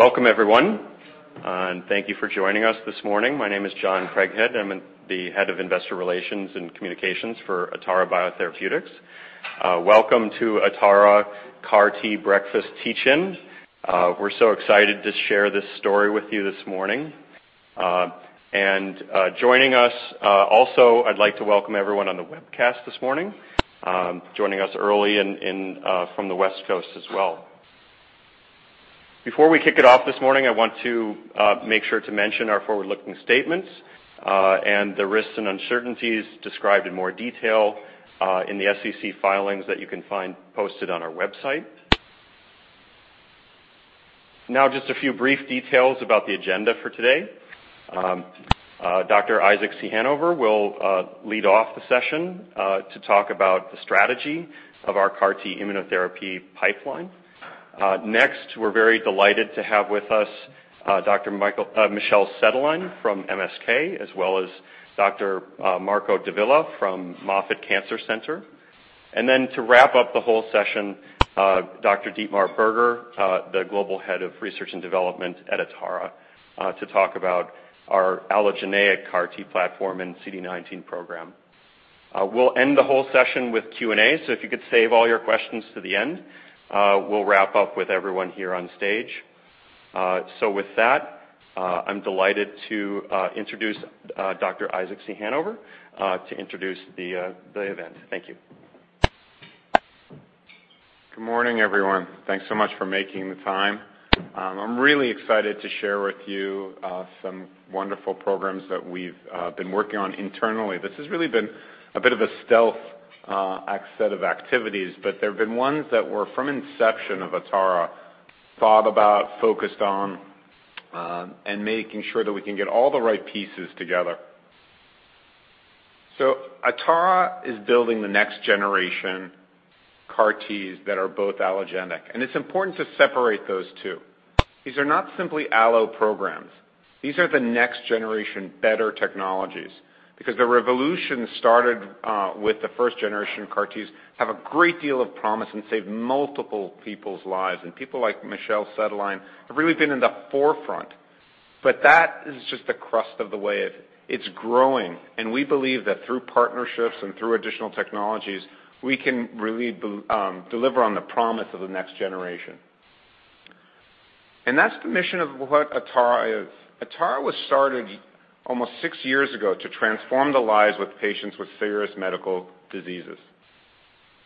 Welcome everyone, thank you for joining us this morning. My name is John Craighead. I'm the Head of Investor Relations and Communications for Atara Biotherapeutics. Welcome to Atara CAR T Breakfast Teach-In. Joining us also, I'd like to welcome everyone on the webcast this morning, joining us early from the West Coast as well. Before we kick it off this morning, I want to make sure to mention our forward-looking statements, and the risks and uncertainties described in more detail in the SEC filings that you can find posted on our website. Just a few brief details about the agenda for today. Dr. Isaac C. Ciechanover will lead off the session to talk about the strategy of our CAR T immunotherapy pipeline. Next, we're very delighted to have with us Dr. Michel Sadelain from MSK, as well as Dr. Marco Davila from Moffitt Cancer Center. Then to wrap up the whole session, Dr. Dietmar Berger, the Global Head of Research and Development at Atara, to talk about our allogeneic CAR T platform and CD19 program. We'll end the whole session with Q&A, so if you could save all your questions to the end, we'll wrap up with everyone here on stage. With that, I'm delighted to introduce Dr. Isaac C. Ciechanover to introduce the event. Thank you. Good morning, everyone. Thanks so much for making the time. I'm really excited to share with you some wonderful programs that we've been working on internally. This has really been a bit of a stealth set of activities, but they've been ones that were from inception of Atara, thought about, focused on, and making sure that we can get all the right pieces together. Atara is building the next generation CAR Ts that are both allogeneic, and it's important to separate those two. These are not simply allo programs. These are the next generation better technologies, because the revolution started with the first generation of CAR Ts, have a great deal of promise, and saved multiple people's lives, and people like Michel Sadelain have really been in the forefront. That is just the crust of the way it is growing, we believe that through partnerships and through additional technologies, we can really deliver on the promise of the next generation. That's the mission of what Atara is, Atara was started almost six years ago to transform the lives with patients with serious medical diseases.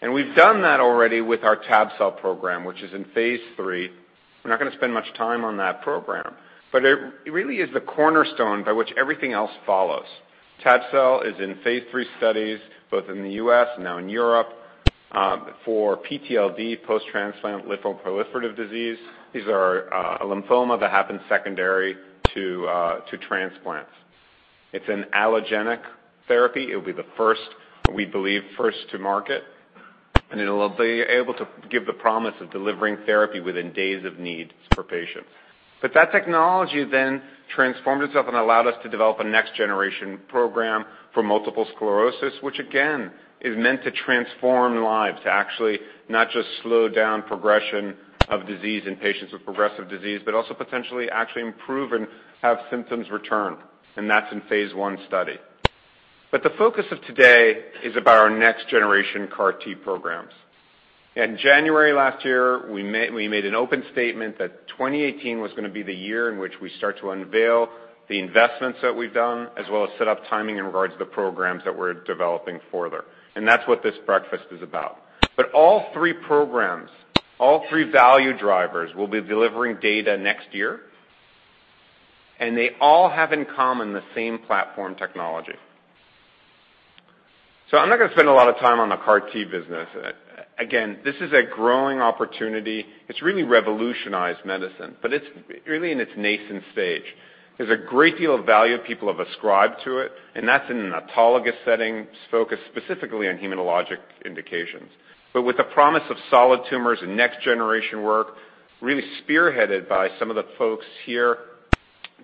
We've done that already with our tab cell program, which is in phase III. We're not going to spend much time on that program, but it really is the cornerstone by which everything else follows. Tab cell is in phase III studies, both in the U.S. and now in Europe, for PTLD, post-transplant lymphoproliferative disease. These are a lymphoma that happens secondary to transplants. It's an allogeneic therapy. It will be the first, we believe, first to market, and it'll be able to give the promise of delivering therapy within days of need for patients. That technology then transformed itself and allowed us to develop a next generation program for multiple sclerosis, which again, is meant to transform lives, to actually not just slow down progression of disease in patients with progressive disease, but also potentially actually improve and have symptoms return. That's in phase I study. The focus of today is about our next generation CAR T programs. In January last year, we made an open statement that 2018 was going to be the year in which we start to unveil the investments that we've done, as well as set up timing in regards to the programs that we're developing further. That's what this breakfast is about. All three programs, all three value drivers, will be delivering data next year, and they all have in common the same platform technology. I'm not going to spend a lot of time on the CAR T business. Again, this is a growing opportunity. It's really revolutionized medicine, but it's really in its nascent stage. There's a great deal of value people have ascribed to it, and that's in an autologous setting focused specifically on hematologic indications. With the promise of solid tumors and next generation work really spearheaded by some of the folks here,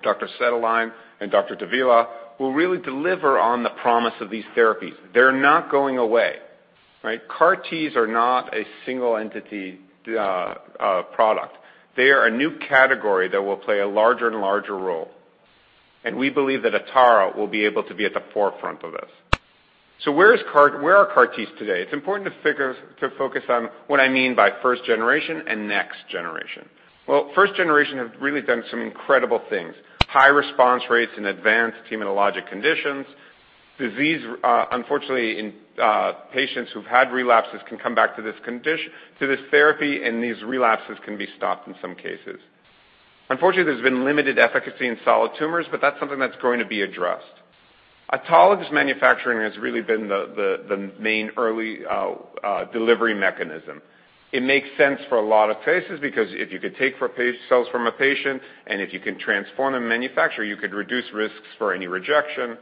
Dr. Sadelain and Dr. Davila, will really deliver on the promise of these therapies. They're not going away. CAR Ts are not a single entity product. They are a new category that will play a larger and larger role. We believe that Atara will be able to be at the forefront of this. Where are CAR Ts today? It's important to focus on what I mean by first generation and next generation. First generation have really done some incredible things. High response rates in advanced hematologic conditions. Disease, unfortunately, in patients who've had relapses can come back to this therapy and these relapses can be stopped in some cases. Unfortunately, there's been limited efficacy in solid tumors, but that's something that's going to be addressed. Autologous manufacturing has really been the main early delivery mechanism. It makes sense for a lot of cases because if you could take cells from a patient and if you can transform and manufacture, you could reduce risks for any rejection.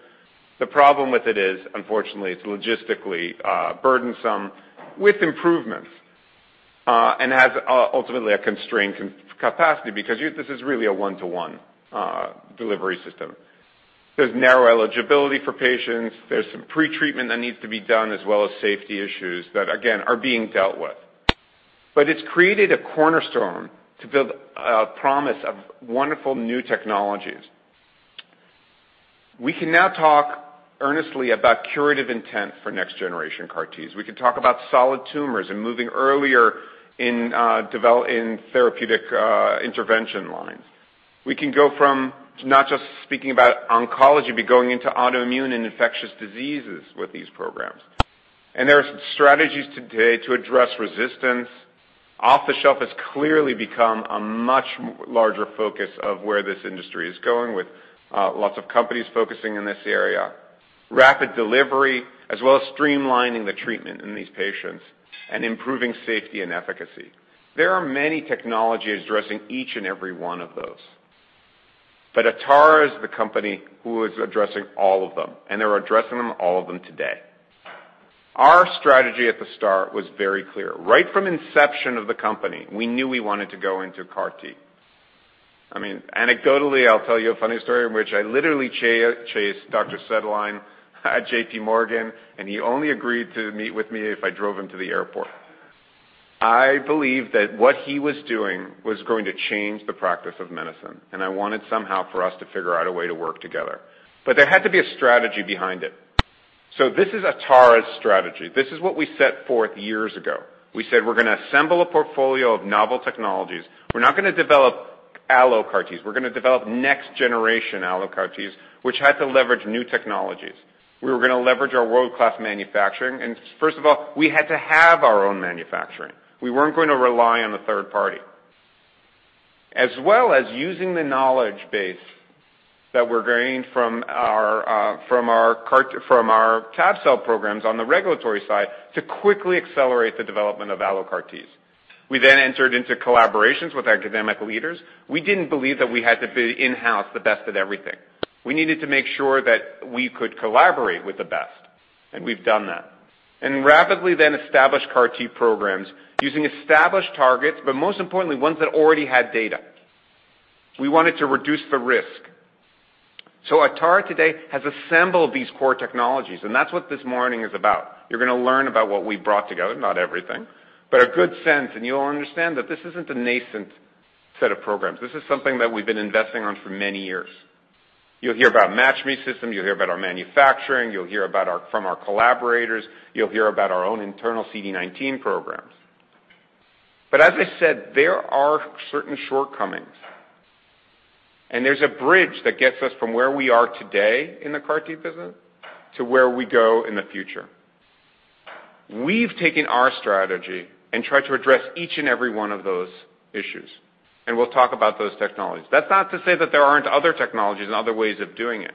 The problem with it is, unfortunately, it's logistically burdensome with improvements, and has ultimately a constrained capacity because this is really a one-to-one delivery system. There's narrow eligibility for patients. There's some pre-treatment that needs to be done, as well as safety issues that, again, are being dealt with. It's created a cornerstone to build a promise of wonderful new technologies. We can now talk earnestly about curative intent for next-generation CAR Ts. We can talk about solid tumors and moving earlier in therapeutic intervention lines. We can go from not just speaking about oncology, but going into autoimmune and infectious diseases with these programs. There are some strategies today to address resistance. Off-the-shelf has clearly become a much larger focus of where this industry is going, with lots of companies focusing in this area. Rapid delivery, as well as streamlining the treatment in these patients and improving safety and efficacy. There are many technologies addressing each and every one of those. Atara is the company who is addressing all of them, and they're addressing all of them today. Our strategy at the start was very clear. Right from inception of the company, we knew we wanted to go into CAR T. Anecdotally, I'll tell you a funny story in which I literally chased Dr. Sadelain at JPMorgan, and he only agreed to meet with me if I drove him to the airport. I believed that what he was doing was going to change the practice of medicine, and I wanted somehow for us to figure out a way to work together. There had to be a strategy behind it. This is Atara's strategy. This is what we set forth years ago. We said we're going to assemble a portfolio of novel technologies. We're not going to develop allo CAR Ts. We're going to develop next-generation allo CAR Ts, which had to leverage new technologies. We were going to leverage our world-class manufacturing. First of all, we had to have our own manufacturing. We weren't going to rely on a third party. As well as using the knowledge base that we're gaining from our TAB cell programs on the regulatory side to quickly accelerate the development of allo CAR Ts. We entered into collaborations with academic leaders. We didn't believe that we had to be in-house the best at everything. We needed to make sure that we could collaborate with the best, and we've done that. Rapidly then established CAR T programs using established targets, but most importantly, ones that already had data. We wanted to reduce the risk. Atara today has assembled these core technologies, and that's what this morning is about. You're going to learn about what we brought together, not everything, but a good sense. You'll understand that this isn't a nascent set of programs. This is something that we've been investing on for many years. You'll hear about MatchMe system, you'll hear about our manufacturing, you'll hear from our collaborators, you'll hear about our own internal CD19 programs. As I said, there are certain shortcomings. There's a bridge that gets us from where we are today in the CAR T business to where we go in the future. We've taken our strategy and tried to address each and every one of those issues, and we'll talk about those technologies. That's not to say that there aren't other technologies and other ways of doing it.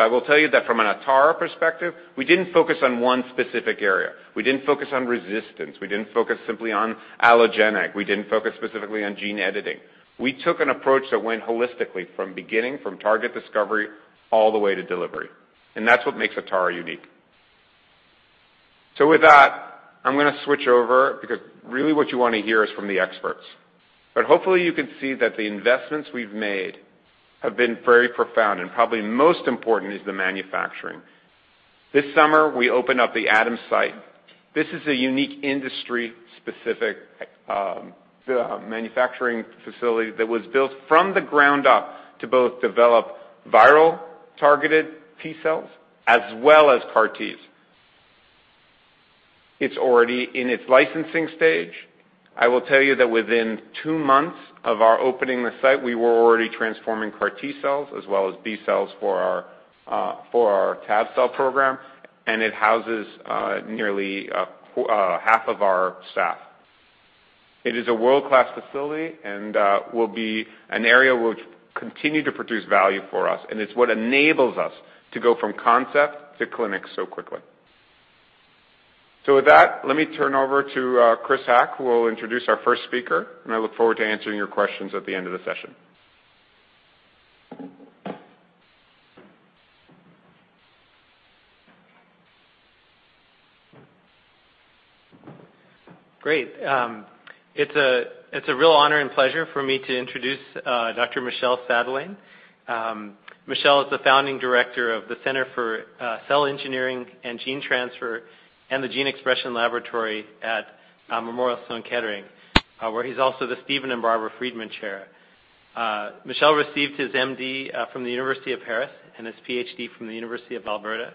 I will tell you that from an Atara perspective, we didn't focus on one specific area. We didn't focus on resistance. We didn't focus simply on allogeneic. We didn't focus specifically on gene editing. We took an approach that went holistically from beginning, from target discovery, all the way to delivery. That's what makes Atara unique. With that, I'm going to switch over because really what you want to hear is from the experts. Hopefully you can see that the investments we've made have been very profound, and probably most important is the manufacturing. This summer, we opened up the ATOM site. This is a unique industry-specific manufacturing facility that was built from the ground up to both develop viral-targeted T-cells as well as CAR Ts. It's already in its licensing stage. I will tell you that within two months of our opening the site, we were already transforming CAR T cells as well as B cells for our TAB cell program, and it houses nearly half of our staff. It is a world-class facility and will be an area which continue to produce value for us, and it's what enables us to go from concept to clinic so quickly. With that, let me turn over to Chris Haqq, who will introduce our first speaker, and I look forward to answering your questions at the end of the session. Great. It's a real honor and pleasure for me to introduce Dr. Michel Sadelain. Michel is the founding director of the Center for Cell Engineering and Gene Transfer and the Gene Expression Laboratory at Memorial Sloan Kettering, where he's also the Steven and Barbara Friedman Chair. Michel received his MD from the University of Paris and his PhD from the University of Alberta,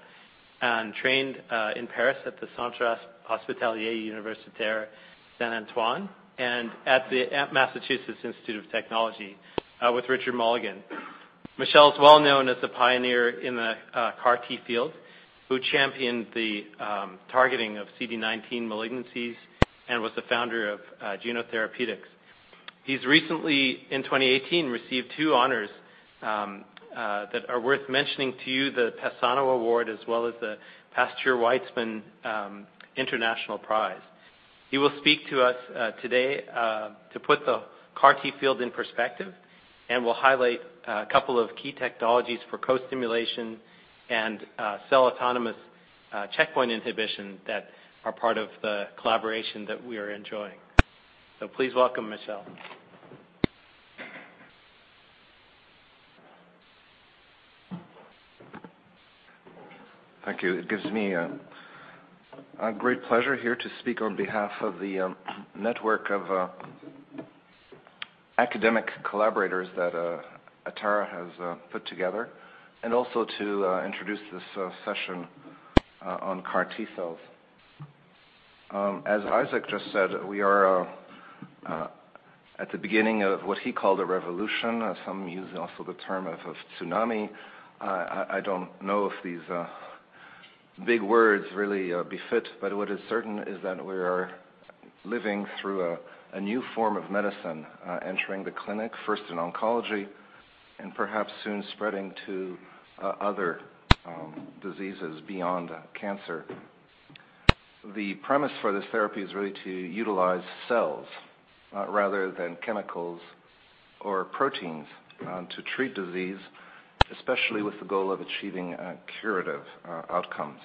and trained in Paris at the Hôpital Saint-Antoine and at the Massachusetts Institute of Technology with Richard Mulligan. Michel's well-known as a pioneer in the CAR T field, who championed the targeting of CD19 malignancies and was the founder of Juno Therapeutics. He's recently, in 2018, received two honors that are worth mentioning to you, the Passano Award as well as the Pasteur-Weizmann International Prize. He will speak to us today to put the CAR T field in perspective and will highlight a couple of key technologies for co-stimulation and cell-autonomous checkpoint inhibition that are part of the collaboration that we are enjoying. Please welcome Michel. Thank you. It gives me a great pleasure here to speak on behalf of the network of academic collaborators that Atara has put together, and also to introduce this session on CAR T cells. As Isaac just said, we are at the beginning of what he called a revolution. Some use also the term of tsunami. I don't know if these big words really befit, but what is certain is that we are living through a new form of medicine entering the clinic, first in oncology, and perhaps soon spreading to other diseases beyond cancer. The premise for this therapy is really to utilize cells rather than chemicals or proteins to treat disease, especially with the goal of achieving curative outcomes.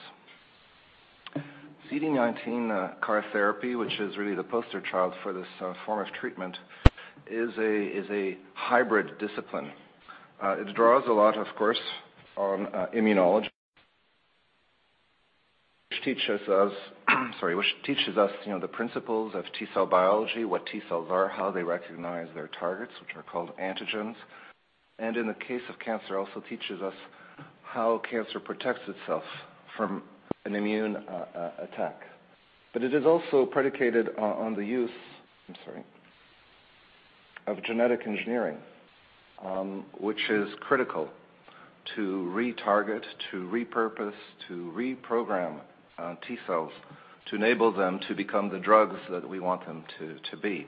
CD19 CAR therapy, which is really the poster child for this form of treatment, is a hybrid discipline. It draws a lot, of course, on immunology, which teaches us the principles of T cell biology, what T cells are, how they recognize their targets, which are called antigens, and in the case of cancer, also teaches us how cancer protects itself from an immune attack. It is also predicated on the use of genetic engineering, which is critical to retarget, to repurpose, to reprogram T cells to enable them to become the drugs that we want them to be.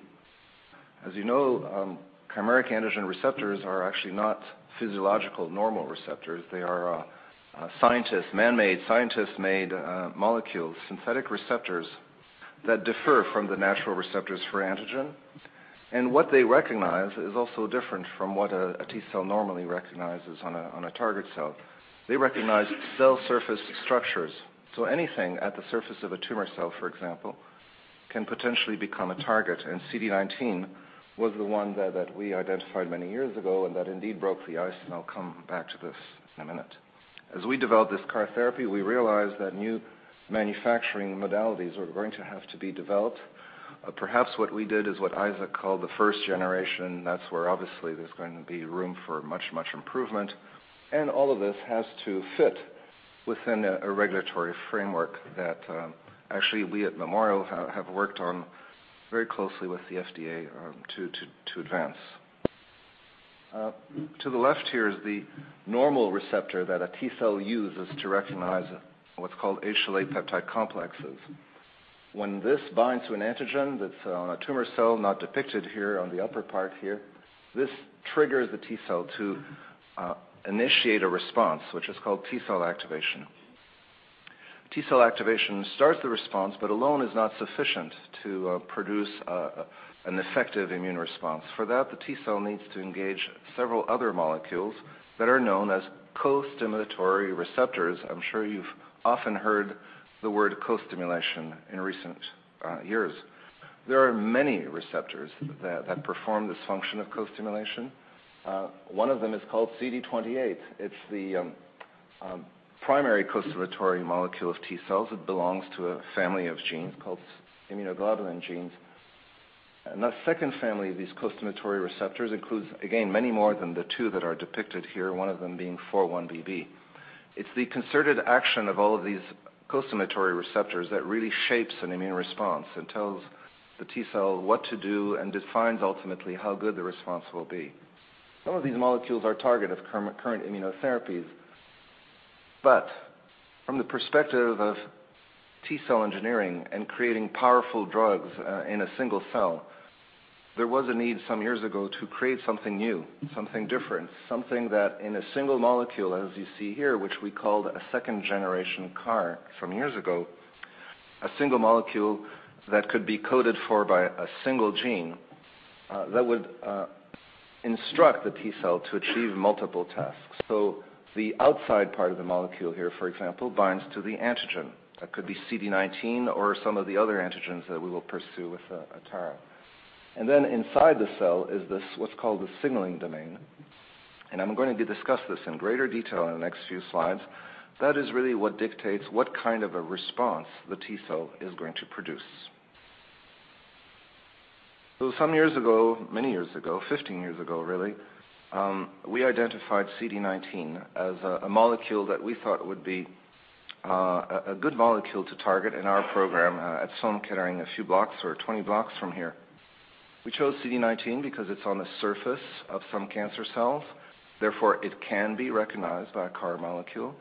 As you know, chimeric antigen receptors are actually not physiological, normal receptors. They are man-made, scientist-made molecules, synthetic receptors that differ from the natural receptors for antigen. What they recognize is also different from what a T cell normally recognizes on a target cell. They recognize cell surface structures. Anything at the surface of a tumor cell, for example, can potentially become a target, CD19 was the one that we identified many years ago, that indeed broke the ice, and I'll come back to this in a minute. As we developed this CAR therapy, we realized that new manufacturing modalities were going to have to be developed. Perhaps what we did is what Isaac called the first generation. That's where obviously there's going to be room for much improvement, and all of this has to fit within a regulatory framework that actually we at Memorial have worked on very closely with the FDA to advance. To the left here is the normal receptor that a T cell uses to recognize what's called HLA peptide complexes. When this binds to an antigen that's on a tumor cell, not depicted here on the upper part here, this triggers the T cell to initiate a response, which is called T cell activation. T cell activation starts the response, but alone is not sufficient to produce an effective immune response. For that, the T cell needs to engage several other molecules that are known as costimulatory receptors. I'm sure you've often heard the word costimulation in recent years. There are many receptors that perform this function of costimulation. One of them is called CD28. It's the primary costimulatory molecule of T cells. It belongs to a family of genes called immunoglobulin genes. The second family of these costimulatory receptors includes, again, many more than the two that are depicted here, one of them being 4-1BB. It's the concerted action of all of these costimulatory receptors that really shapes an immune response and tells the T cell what to do and defines ultimately how good the response will be. Some of these molecules are target of current immunotherapies. From the perspective of T cell engineering and creating powerful drugs in a single cell, there was a need some years ago to create something new, something different, something that in a single molecule, as you see here, which we called a second generation CAR from years ago, a single molecule that could be coded for by a single gene that would instruct the T cell to achieve multiple tasks. The outside part of the molecule here, for example, binds to the antigen. That could be CD19 or some of the other antigens that we will pursue with Atara. Inside the cell is what's called the signaling domain, and I'm going to discuss this in greater detail in the next few slides. That is really what dictates what kind of a response the T cell is going to produce. Some years ago, many years ago, 15 years ago really, we identified CD19 as a molecule that we thought would be a good molecule to target in our program at Sloan Kettering, a few blocks or 20 blocks from here. We chose CD19 because it's on the surface of some cancer cells, therefore it can be recognized by a CAR molecule,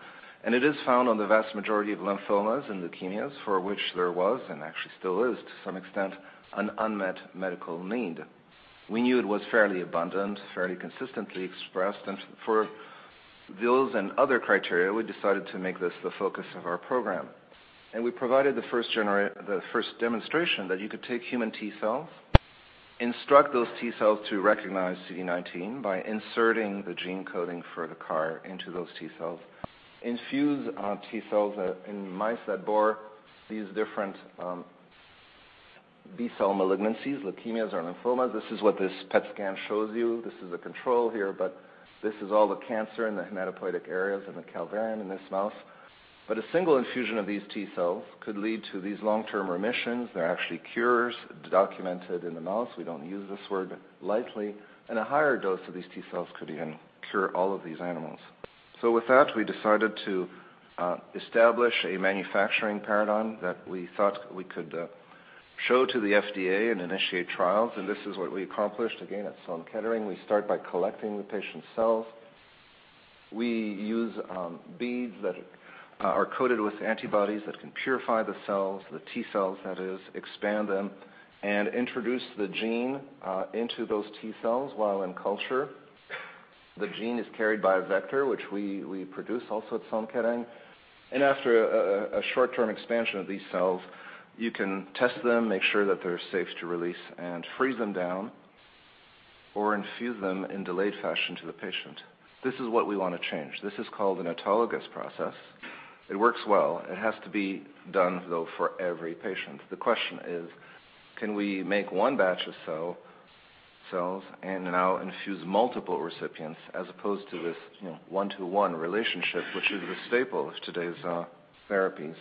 and it is found on the vast majority of lymphomas and leukemias, for which there was, and actually still is to some extent, an unmet medical need. We knew it was fairly abundant, fairly consistently expressed, for those and other criteria, we decided to make this the focus of our program. We provided the first demonstration that you could take human T cells, instruct those T cells to recognize CD19 by inserting the gene coding for the CAR into those T cells. Infuse T cells in mice that bore these different B cell malignancies, leukemias, or lymphomas. This is what this PET scan shows you. This is a control here, but this is all the cancer in the hematopoietic areas and the calvarium in this mouse. A single infusion of these T cells could lead to these long-term remissions. They're actually cures documented in the mouse. We don't use this word lightly, and a higher dose of these T cells could even cure all of these animals. With that, we decided to establish a manufacturing paradigm that we thought we could show to the FDA and initiate trials, and this is what we accomplished, again, at Sloan Kettering. We start by collecting the patient's cells. We use beads that are coated with antibodies that can purify the cells, the T cells that is, expand them, and introduce the gene into those T cells while in culture. The gene is carried by a vector, which we produce also at Sloan Kettering. After a short-term expansion of these cells, you can test them, make sure that they're safe to release, and freeze them down or infuse them in delayed fashion to the patient. This is what we want to change. This is called an autologous process. It works well. It has to be done, though, for every patient. The question is, can we make one batch of cells and now infuse multiple recipients as opposed to this one-to-one relationship, which is the staple of today's therapies?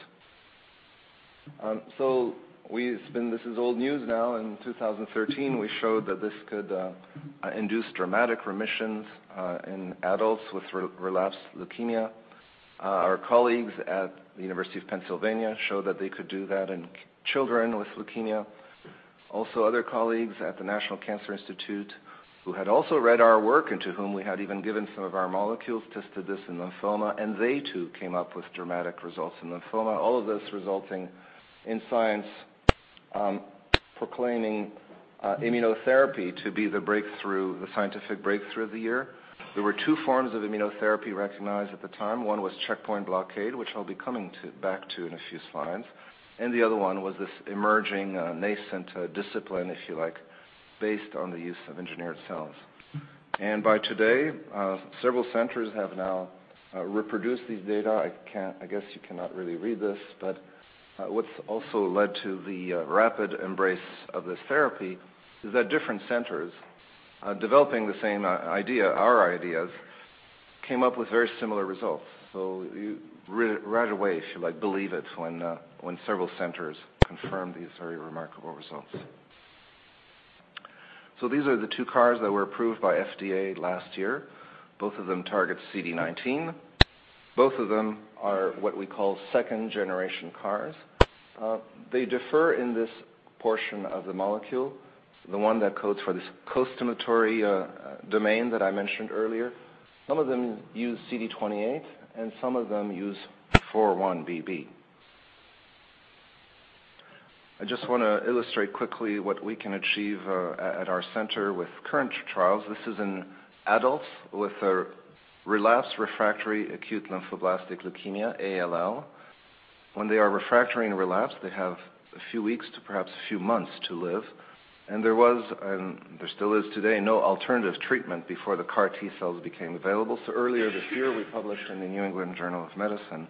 This is old news now. In 2013, we showed that this could induce dramatic remissions in adults with relapsed leukemia. Our colleagues at the University of Pennsylvania showed that they could do that in children with leukemia. Also, other colleagues at the National Cancer Institute, who had also read our work and to whom we had even given some of our molecules, tested this in lymphoma, they too came up with dramatic results in lymphoma. All of this resulting in Science proclaiming immunotherapy to be the scientific breakthrough of the year. There were two forms of immunotherapy recognized at the time. One was checkpoint blockade, which I'll be coming back to in a few slides, and the other one was this emerging nascent discipline, if you like, based on the use of engineered cells. By today, several centers have now reproduced these data. I guess you cannot really read this, but what's also led to the rapid embrace of this therapy is that different centers developing the same idea, our ideas, came up with very similar results. You right away believe it when several centers confirm these very remarkable results. These are the two CARs that were approved by FDA last year. Both of them target CD19. Both of them are what we call second generation CARs. They differ in this portion of the molecule, the one that codes for this costimulatory domain that I mentioned earlier. Some of them use CD28, and some of them use 4-1BB. I just want to illustrate quickly what we can achieve at our center with current trials. This is in adults with a relapsed refractory acute lymphoblastic leukemia, ALL. When they are refractory and relapsed, they have a few weeks to perhaps a few months to live. There was, and there still is today, no alternative treatment before the CAR T cells became available. Earlier this year, we published in "The New England Journal of Medicine"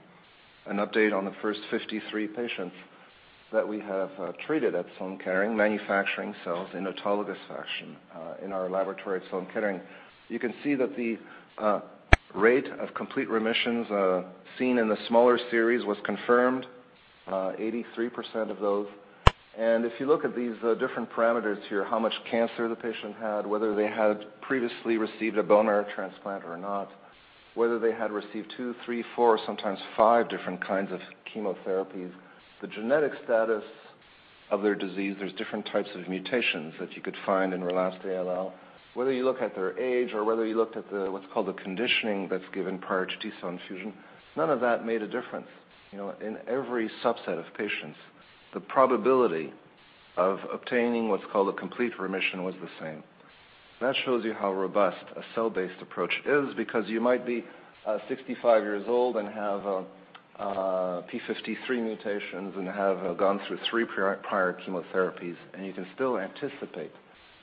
an update on the first 53 patients that we have treated at Sloan Kettering, manufacturing cells in autologous fashion in our laboratory at Sloan Kettering. You can see that the rate of complete remissions seen in the smaller series was confirmed, 83% of those. If you look at these different parameters here, how much cancer the patient had, whether they had previously received a bone marrow transplant or not, whether they had received two, three, four, sometimes five different kinds of chemotherapies, the genetic status of their disease. There's different types of mutations that you could find in relapsed ALL. Whether you look at their age or whether you looked at what's called the conditioning that's given prior to T-cell infusion, none of that made a difference. In every subset of patients, the probability of obtaining what's called a complete remission was the same. That shows you how robust a cell-based approach is, because you might be 65 years old and have P53 mutations and have gone through three prior chemotherapies, and you can still anticipate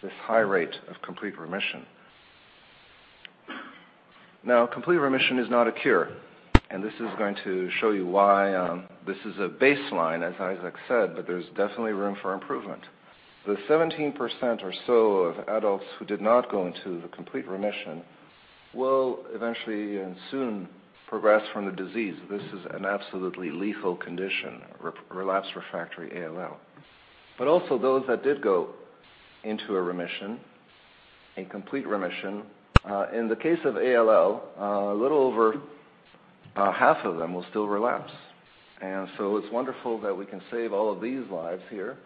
this high rate of complete remission. Now, complete remission is not a cure, and this is going to show you why. This is a baseline, as Isaac said, but there's definitely room for improvement. The 17% or so of adults who did not go into the complete remission will eventually and soon progress from the disease. This is an absolutely lethal condition, relapsed refractory ALL. Also those that did go into a remission, a complete remission, in the case of ALL, a little over half of them will still relapse. It's wonderful that we can save all of these lives here,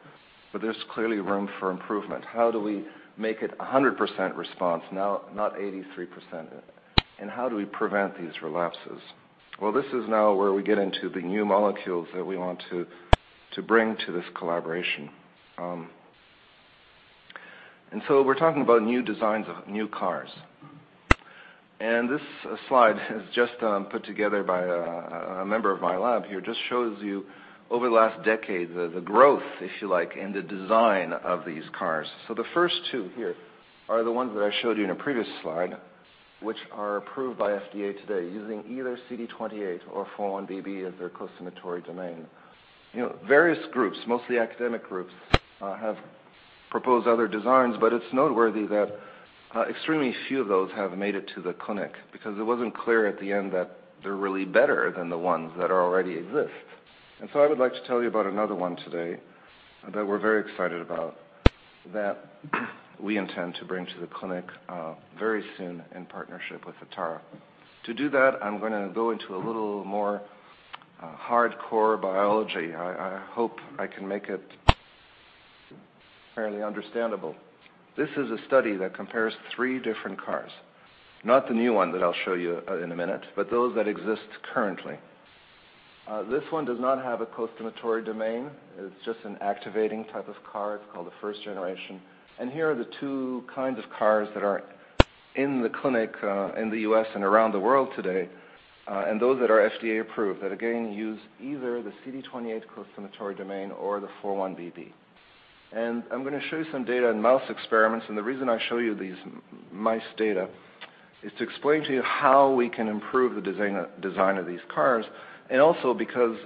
but there's clearly room for improvement. How do we make it 100% response, not 83%? How do we prevent these relapses? This is now where we get into the new molecules that we want to bring to this collaboration. We're talking about new designs of new CARs. This slide is just put together by a member of my lab here just shows you over the last decade, the growth, if you like, in the design of these CARs. The first two here are the ones that I showed you in a previous slide, which are approved by FDA today using either CD28 or 4-1BB as their costimatory domain. Various groups, mostly academic groups, have proposed other designs, but it's noteworthy that extremely few of those have made it to the clinic, because it wasn't clear at the end that they're really better than the ones that already exist. I would like to tell you about another one today that we're very excited about, that we intend to bring to the clinic very soon in partnership with Atara. To do that, I'm going to go into a little more hardcore biology. I hope I can make it fairly understandable. This is a study that compares three different CARs, not the new one that I'll show you in a minute, but those that exist currently. This one does not have a costimatory domain. It's just an activating type of CAR. It's called a first generation. Here are the two kinds of CARs that are in the clinic, in the U.S. and around the world today, and those that are FDA approved that again, use either the CD28 costimatory domain or the 4-1BB. I'm going to show you some data in mouse experiments, and the reason I show you these mice data is to explain to you how we can improve the design of these CARs, and also because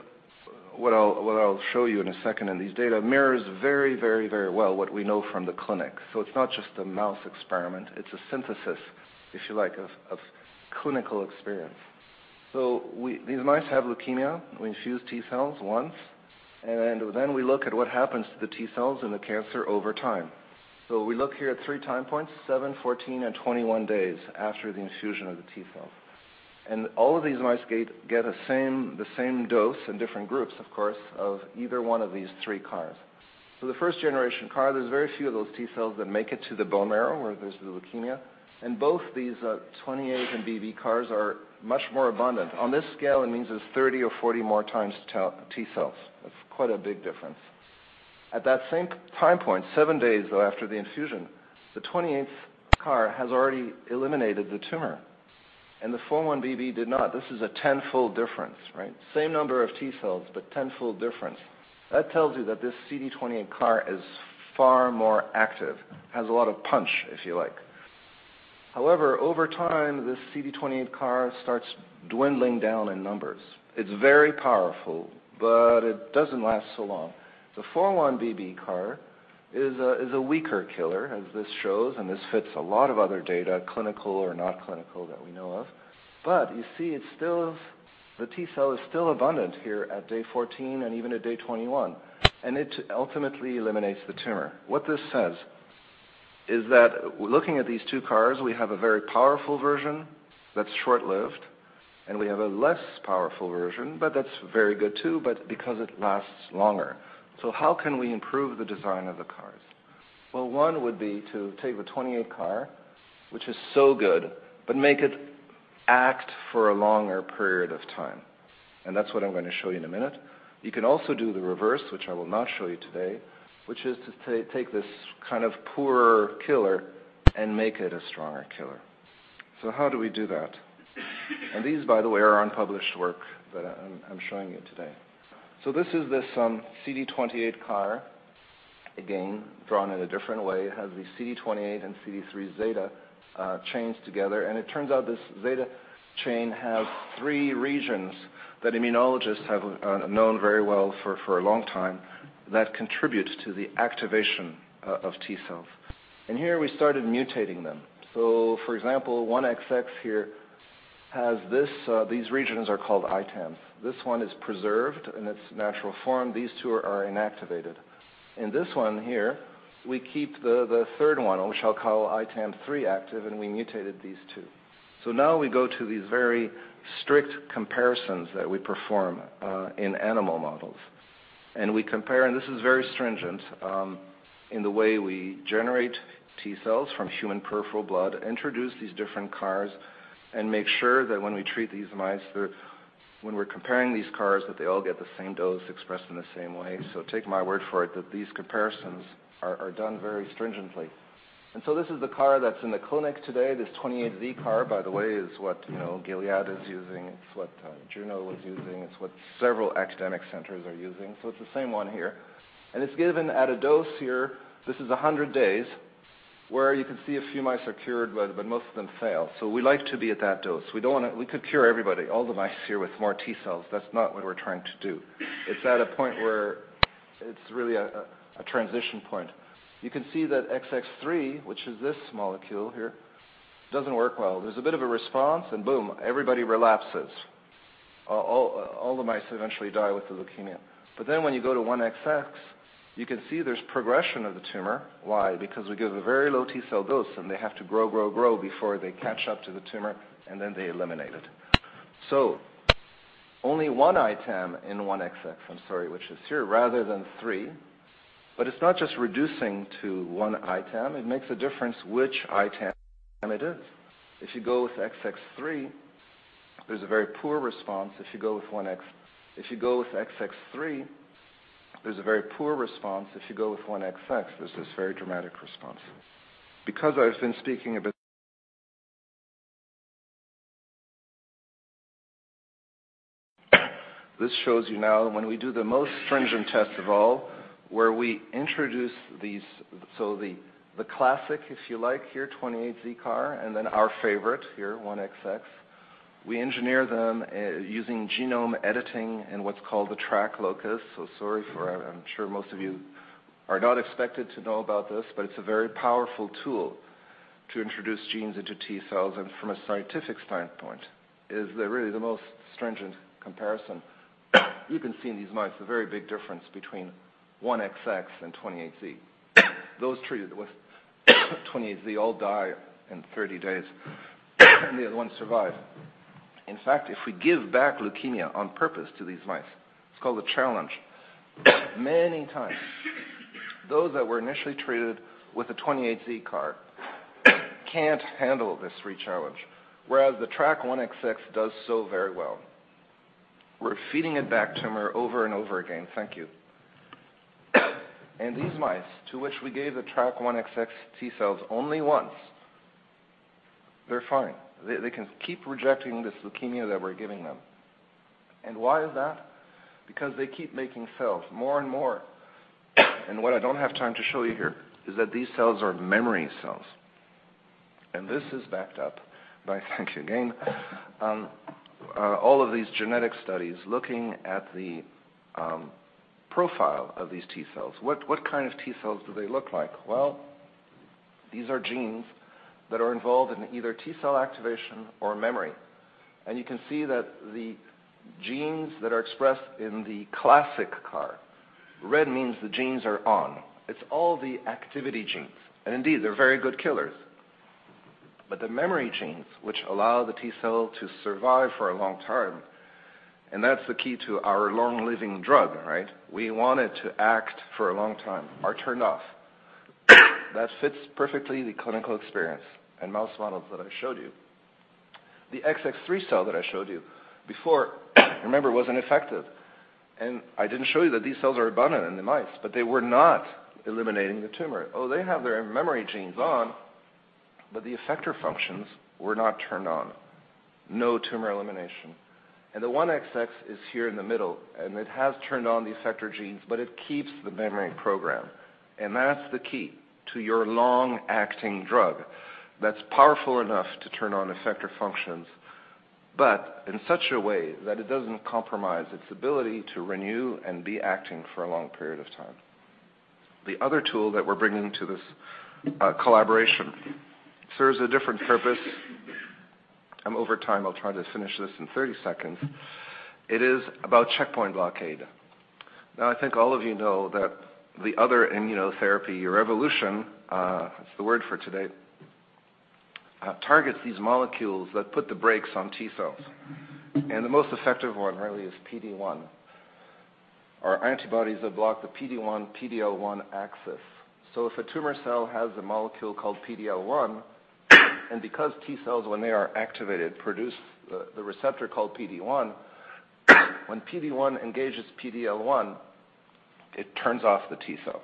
what I'll show you in a second in these data mirrors very well what we know from the clinic. It's not just a mouse experiment, it's a synthesis, if you like, of clinical experience. These mice have leukemia. We infuse T cells once, and then we look at what happens to the T cells in the cancer over time. We look here at three time points, seven, 14, and 21 days after the infusion of the T cell. All of these mice get the same dose in different groups, of course, of either one of these three CARs. The first generation CAR, there's very few of those T cells that make it to the bone marrow where there's the leukemia. Both these 28 and BB CARs are much more abundant. On this scale, it means there's 30 or 40 more times T cells. That's quite a big difference. At that same time point, seven days after the infusion, the 28th CAR has already eliminated the tumor, and the 4-1BB did not. This is a 10-fold difference, right? Same number of T cells, but 10-fold difference. That tells you that this CD28 CAR is far more active, has a lot of punch, if you like. However, over time, this CD28 CAR starts dwindling down in numbers. It's very powerful, but it doesn't last so long. The 4-1BB CAR is a weaker killer, as this shows, and this fits a lot of other data, clinical or not clinical, that we know of. You see, the T cell is still abundant here at day 14 and even at day 21, and it ultimately eliminates the tumor. What this says is that looking at these two CARs, we have a very powerful version that's short-lived, and we have a less powerful version, but that's very good too, but because it lasts longer. How can we improve the design of the CARs? One would be to take the 28 CAR, which is so good, but make it act for a longer period of time. That's what I'm going to show you in a minute. You can also do the reverse, which I will not show you today, which is to take this poorer killer and make it a stronger killer. How do we do that? These, by the way, are unpublished work that I'm showing you today. This is this CD28 CAR, again, drawn in a different way. It has the CD28 and CD3 zeta chains together, it turns out this zeta chain has three regions that immunologists have known very well for a long time that contribute to the activation of T cells. Here we started mutating them. For example, 1XX here has these regions are called ITAM. This one is preserved in its natural form. These two are inactivated. In this one here, we keep the third one, which I'll call ITAM 3 active, and we mutated these two. Now we go to these very strict comparisons that we perform in animal models. We compare, and this is very stringent in the way we generate T cells from human peripheral blood, introduce these different CARs, and make sure that when we treat these mice, when we're comparing these CARs, that they all get the same dose expressed in the same way. Take my word for it that these comparisons are done very stringently. This is the CAR that's in the clinic today. This 28Z CAR, by the way, is what Gilead is using. It's what Juno was using. It's what several academic centers are using. It's the same one here. It's given at a dose here, this is 100 days, where you can see a few mice are cured, but most of them fail. We like to be at that dose. We could cure everybody, all the mice here with more T cells. That's not what we're trying to do. It's at a point where it's really a transition point. You can see that XX3, which is this molecule here, doesn't work well. There's a bit of a response, and boom, everybody relapses. All the mice eventually die with the leukemia. When you go to 1XX, you can see there's progression of the tumor. Why? Because we give a very low T cell dose, and they have to grow before they catch up to the tumor, and then they eliminate it. Only one ITAM in 1XX, I'm sorry, which is here rather than three. It's not just reducing to one ITAM. It makes a difference which ITAM it is. If you go with XX3, there's a very poor response. If you go with 1XX, there's this very dramatic response. This shows you now when we do the most stringent test of all, where we introduce the classic, if you like, here, 28Z CAR, and then our favorite here, 1XX. We engineer them using genome editing in what's called the TRAC locus. I'm sure most of you are not expected to know about this, but it's a very powerful tool to introduce genes into T cells, and from a scientific standpoint, is really the most stringent comparison. You can see in these mice the very big difference between 1XX and 28Z. Those treated with 28Z all die in 30 days. The other ones survive. In fact, if we give back leukemia on purpose to these mice, it's called a challenge. Many times, those that were initially treated with a 28Z CAR can't handle this re-challenge, whereas the trac1XX does so very well. We're feeding it back tumor over and over again. Thank you. These mice, to which we gave the trac1XX T cells only once, they're fine. They can keep rejecting this leukemia that we're giving them. Why is that? Because they keep making cells, more and more. What I don't have time to show you here is that these cells are memory cells. This is backed up by, thank you again, all of these genetic studies looking at the profile of these T cells. What kind of T cells do they look like? Well, these are genes that are involved in either T cell activation or memory. You can see that the genes that are expressed in the classic CAR, red means the genes are on. It's all the activity genes. Indeed, they're very good killers. The memory genes, which allow the T cell to survive for a long time, and that's the key to our long-living drug. We want it to act for a long time, are turned off. That fits perfectly the clinical experience and mouse models that I showed you. The XX3 cell that I showed you before, remember, was ineffective. I didn't show you that these cells are abundant in the mice, but they were not eliminating the tumor. Oh, they have their memory genes on, but the effector functions were not turned on. No tumor elimination. The 1XX is here in the middle, and it has turned on the effector genes, but it keeps the memory program. That's the key to your long-acting drug that's powerful enough to turn on effector functions, but in such a way that it doesn't compromise its ability to renew and be acting for a long period of time. The other tool that we're bringing to this collaboration serves a different purpose. I'm over time. I'll try to finish this in 30 seconds. It is about checkpoint blockade. I think all of you know that the other immunotherapy, or evolution, it's the word for today, targets these molecules that put the brakes on T cells. The most effective one really is PD-1, or antibodies that block the PD-1/PD-L1 axis. If a tumor cell has a molecule called PD-L1, because T cells, when they are activated, produce the receptor called PD-1, when PD-1 engages PD-L1, it turns off the T cell.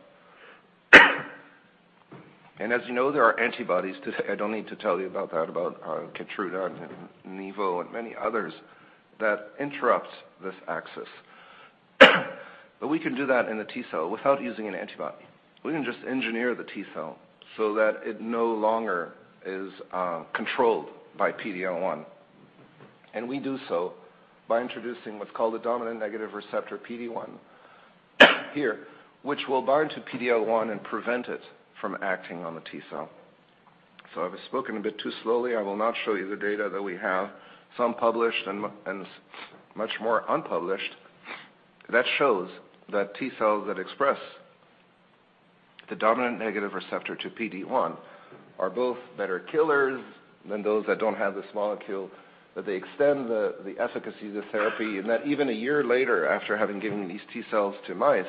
As you know, there are antibodies I don't need to tell you about that, about KEYTRUDA and OPDIVO and many others that interrupts this axis. We can do that in a T cell without using an antibody. We can just engineer the T cell so that it no longer is controlled by PD-L1. We do so by introducing what's called a dominant negative receptor, PD-1, here, which will bind to PD-L1 and prevent it from acting on the T cell. I've spoken a bit too slowly. I will now show you the data that we have, some published and much more unpublished, that shows that T cells that express the dominant negative receptor to PD-1 are both better killers than those that don't have this molecule, that they extend the efficacy of the therapy, and that even a year later, after having given these T cells to mice,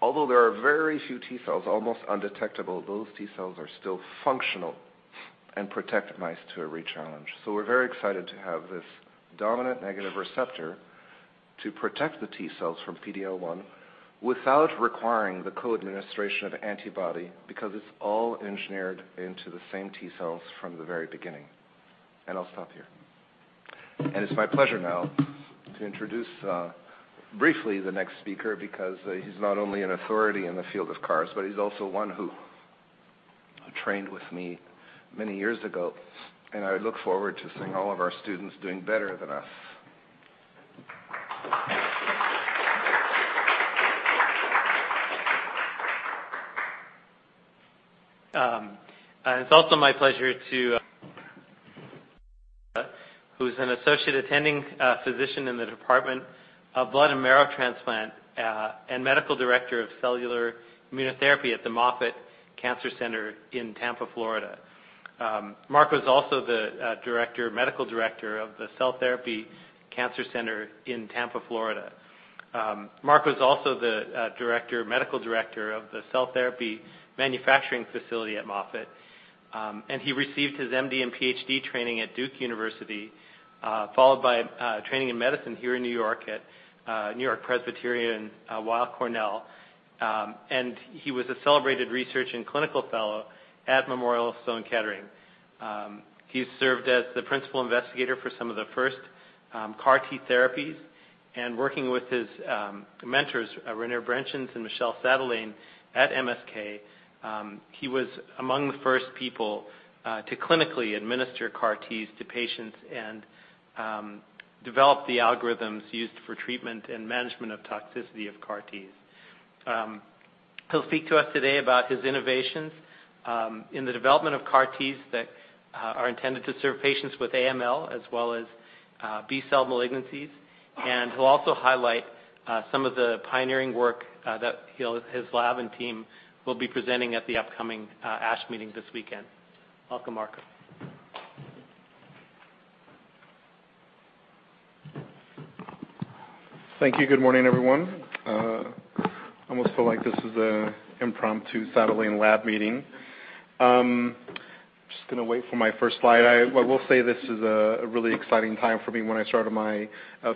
although there are very few T cells, almost undetectable, those T cells are still functional and protect mice to a re-challenge. We're very excited to have this dominant negative receptor to protect the T cells from PD-L1 without requiring the co-administration of antibody because it's all engineered into the same T cells from the very beginning. I'll stop here. It's my pleasure now to introduce briefly the next speaker, because he's not only an authority in the field of CARs, but he's also one who trained with me many years ago. I look forward to seeing all of our students doing better than us. It's also my pleasure. Who's an Associate Attending Physician in the Department of Blood and Marrow Transplant, and Medical Director of Cellular Immunotherapy at the Moffitt Cancer Center in Tampa, Florida. Marco was also the Medical Director of the Cell Therapy Cancer Center in Tampa, Florida. Marco was also the Medical Director of the Cell Therapy Manufacturing Facility at Moffitt, and he received his MD and PhD training at Duke University, followed by training in medicine here in N.Y. at NewYork-Presbyterian/Weill Cornell. He was a celebrated research and clinical fellow at Memorial Sloan Kettering. He served as the principal investigator for some of the first CAR T therapies, and working with his mentors, Renier Brentjens and Michel Sadelain at MSK, he was among the first people to clinically administer CAR Ts to patients and develop the algorithms used for treatment and management of toxicity of CAR Ts. He'll speak to us today about his innovations in the development of CAR Ts that are intended to serve patients with AML as well as B-cell malignancies. He'll also highlight some of the pioneering work that his lab and team will be presenting at the upcoming ASH meeting this weekend. Welcome, Marco. Thank you. Good morning, everyone. I almost feel like this is an impromptu Sadelain lab meeting. I am just going to wait for my first slide. I will say this is a really exciting time for me. When I started my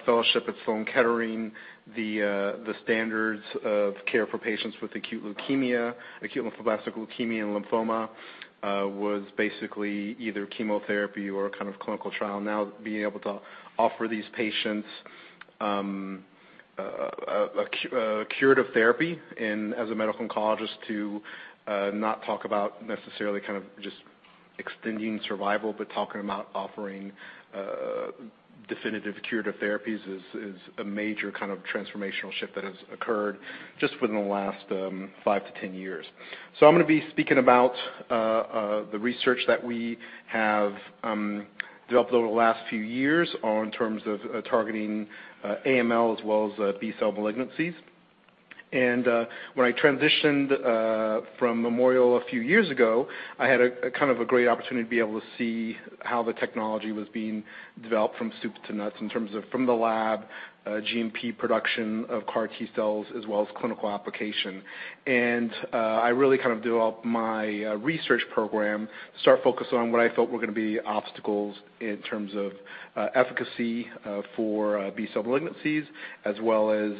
fellowship at Sloan Kettering, the standards of care for patients with acute lymphoblastic leukemia and lymphoma was basically either chemotherapy or a kind of clinical trial. Now, being able to offer these patients a curative therapy and as a medical oncologist to not talk about necessarily just extending survival, but talking about offering definitive curative therapies is a major transformational shift that has occurred just within the last five to 10 years. I am going to be speaking about the research that we have developed over the last few years in terms of targeting AML as well as B-cell malignancies. When I transitioned from Memorial a few years ago, I had a great opportunity to be able to see how the technology was being developed from soup to nuts in terms of from the lab, GMP production of CAR T-cells, as well as clinical application. I really developed my research program, started focusing on what I felt were going to be obstacles in terms of efficacy for B-cell malignancies, as well as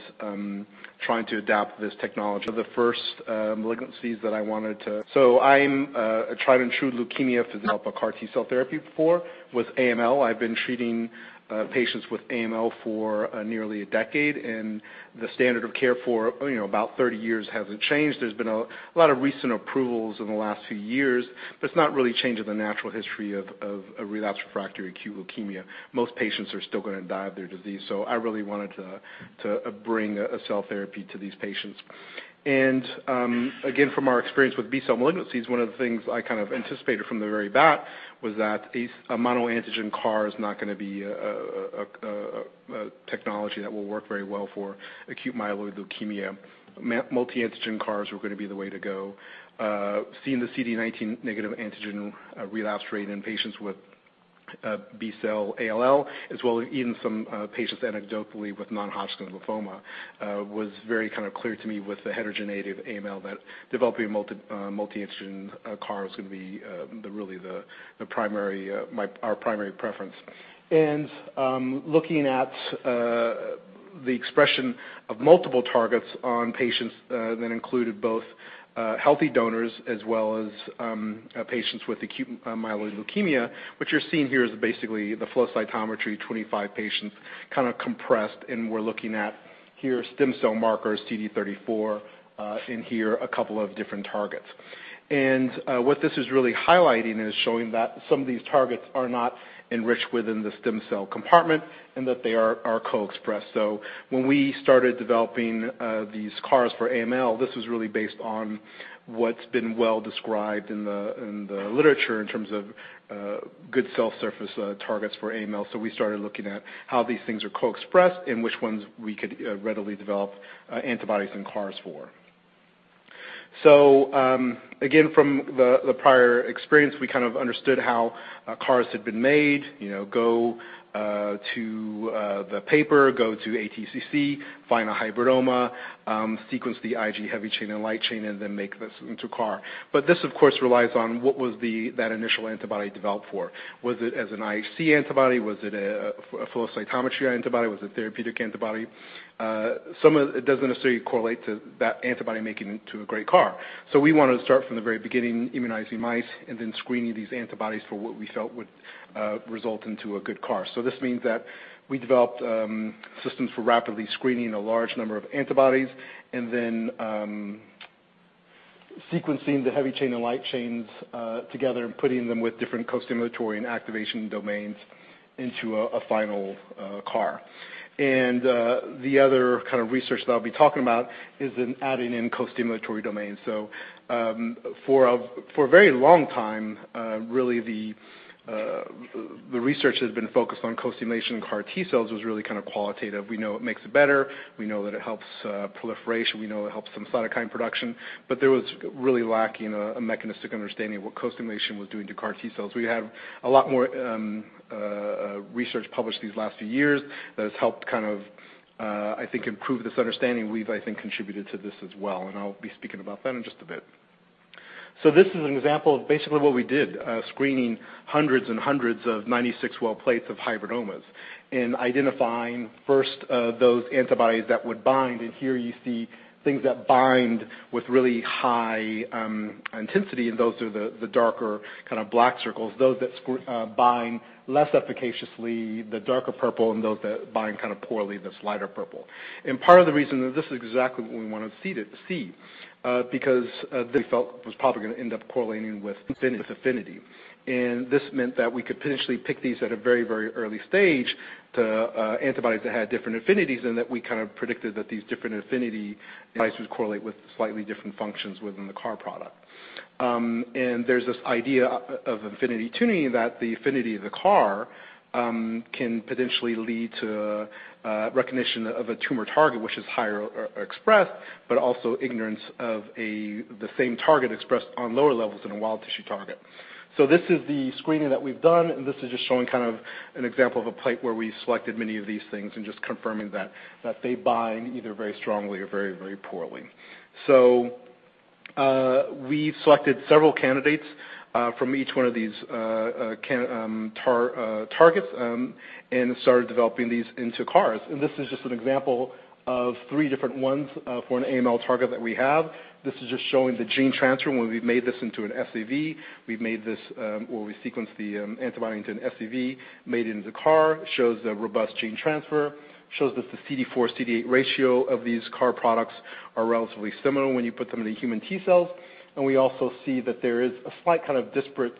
trying to adapt this technology. The first malignancies that I wanted to. I am a tried and true leukemia physician. I have developed a CAR T-cell therapy before with AML. I have been treating patients with AML for nearly a decade, and the standard of care for about 30 years hasn't changed. There has been a lot of recent approvals in the last few years, it is not really changing the natural history of a relapsed/refractory acute leukemia. Most patients are still going to die of their disease. I really wanted to bring a cell therapy to these patients. Again, from our experience with B-cell malignancies, one of the things I anticipated from the very bat was that a monoantigen CAR is not going to be a technology that will work very well for acute myeloid leukemia. Multi-antigen CARs were going to be the way to go. Seeing the CD19-negative antigen relapse rate in patients with B-cell ALL, as well as even some patients anecdotally with non-Hodgkin's lymphoma was very clear to me with the heterogeneity of AML that developing multi-antigen CAR is going to be our primary preference. Looking at the expression of multiple targets on patients that included both healthy donors as well as patients with acute myeloid leukemia. What you are seeing here is basically the flow cytometry, 25 patients compressed, and we are looking at stem cell markers, CD34, in here, a couple of different targets. What this is really highlighting is showing that some of these targets are not enriched within the stem cell compartment and that they are co-expressed. When we started developing these CARs for AML, this was really based on what has been well described in the literature in terms of good cell surface targets for AML. We started looking at how these things are co-expressed and which ones we could readily develop antibodies and CARs for. Again, from the prior experience, we understood how CARs had been made. Go to the paper, go to ATCC, find a hybridoma, sequence the IG heavy chain and light chain, then make this into a CAR. This, of course, relies on what was that initial antibody developed for. Was it as an IHC antibody? Was it a flow cytometry antibody? Was it therapeutic antibody? It doesn't necessarily correlate to that antibody making it into a great CAR. We want to start from the very beginning, immunizing mice and then screening these antibodies for what we felt would result into a good CAR. This means that we developed systems for rapidly screening a large number of antibodies and then sequencing the heavy chain and light chains together and putting them with different costimulatory and activation domains into a final CAR. The other research that I'll be talking about is in adding in costimulatory domains. For a very long time, really the research that has been focused on costimulation in CAR T-cells was really qualitative. We know it makes it better. We know that it helps proliferation. We know it helps some cytokine production. There was really lacking a mechanistic understanding of what costimulation was doing to CAR T-cells. We have a lot more research published these last few years that has helped, I think, improve this understanding. We've, I think, contributed to this as well, and I'll be speaking about that in just a bit. This is an example of basically what we did, screening hundreds and hundreds of 96-well plates of hybridomas and identifying first those antibodies that would bind. Here you see things that bind with really high intensity, and those are the darker black circles, those that bind less efficaciously, the darker purple, and those that bind poorly, this lighter purple. Part of the reason that this is exactly what we want to see, because this we felt was probably going to end up correlating with affinity. This meant that we could potentially pick these at a very early stage to antibodies that had different affinities and that we predicted that these different affinity devices correlate with slightly different functions within the CAR product. There's this idea of affinity tuning that the affinity of the CAR can potentially lead to recognition of a tumor target which is higher expressed, but also ignorance of the same target expressed on lower levels in a wild tissue target. This is the screening that we've done, and this is just showing an example of a plate where we selected many of these things and just confirming that they bind either very strongly or very poorly. We've selected several candidates from each one of these targets and started developing these into CARs. This is just an example of three different ones for an AML target that we have. This is just showing the gene transfer when we've made this into an scFv. We've made this where we sequenced the antibody into an scFv, made it into CAR, shows a robust gene transfer, shows that the CD4, CD8 ratio of these CAR products are relatively similar when you put them in the human T cells. We also see that there is a slight disparate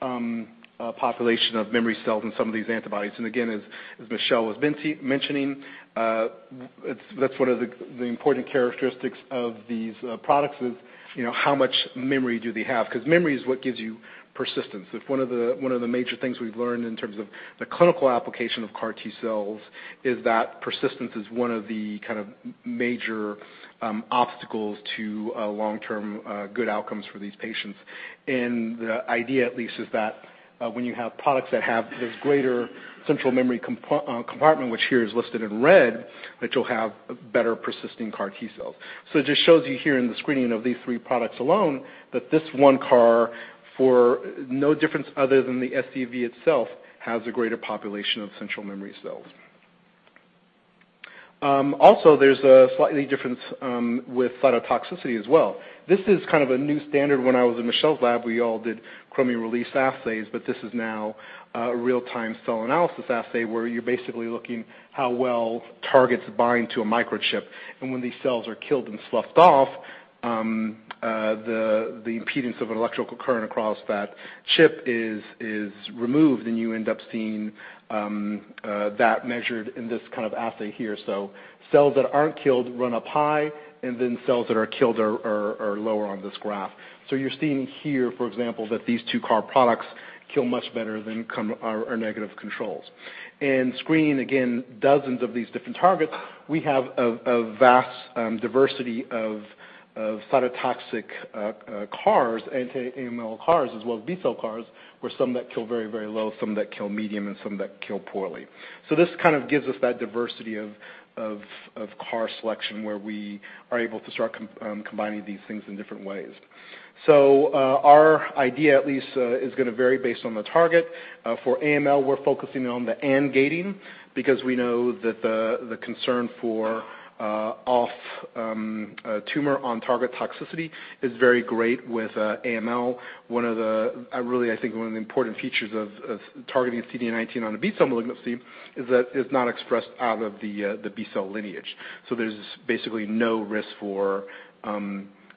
population of memory cells in some of these antibodies. Again, as Michel was mentioning, that's one of the important characteristics of these products is how much memory do they have? Because memory is what gives you persistence. If one of the major things we've learned in terms of the clinical application of CAR T cells is that persistence is one of the major obstacles to long-term good outcomes for these patients. The idea at least is that when you have products that have this greater central memory compartment, which here is listed in red, that you'll have better persisting CAR T cells. It just shows you here in the screening of these three products alone that this one CAR for no difference other than the scFv itself has a greater population of central memory cells. Also, there's a slight difference with cytotoxicity as well. This is a new standard. When I was in Michel's lab, we all did chromium release assays, but this is now a real-time cell analysis assay where you're basically looking how well targets bind to a microchip. When these cells are killed and sloughed off, the impedance of an electrical current across that chip is removed and you end up seeing that measured in this assay here. Cells that aren't killed run up high, and then cells that are killed are lower on this graph. You're seeing here, for example, that these two CAR products kill much better than our negative controls. Screening, again, dozens of these different targets, we have a vast diversity of cytotoxic CARs, anti-AML CARs as well as B-cell CARs where some that kill very low, some that kill medium, and some that kill poorly. This gives us that diversity of CAR selection where we are able to start combining these things in different ways. Our idea at least is going to vary based on the target. For AML, we're focusing on the AND gating because we know that the concern for off-tumor on-target toxicity is very great with AML. One of the, really, I think one of the important features of targeting CD19 on a B-cell malignancy is that it's not expressed out of the B-cell lineage. There's basically no risk for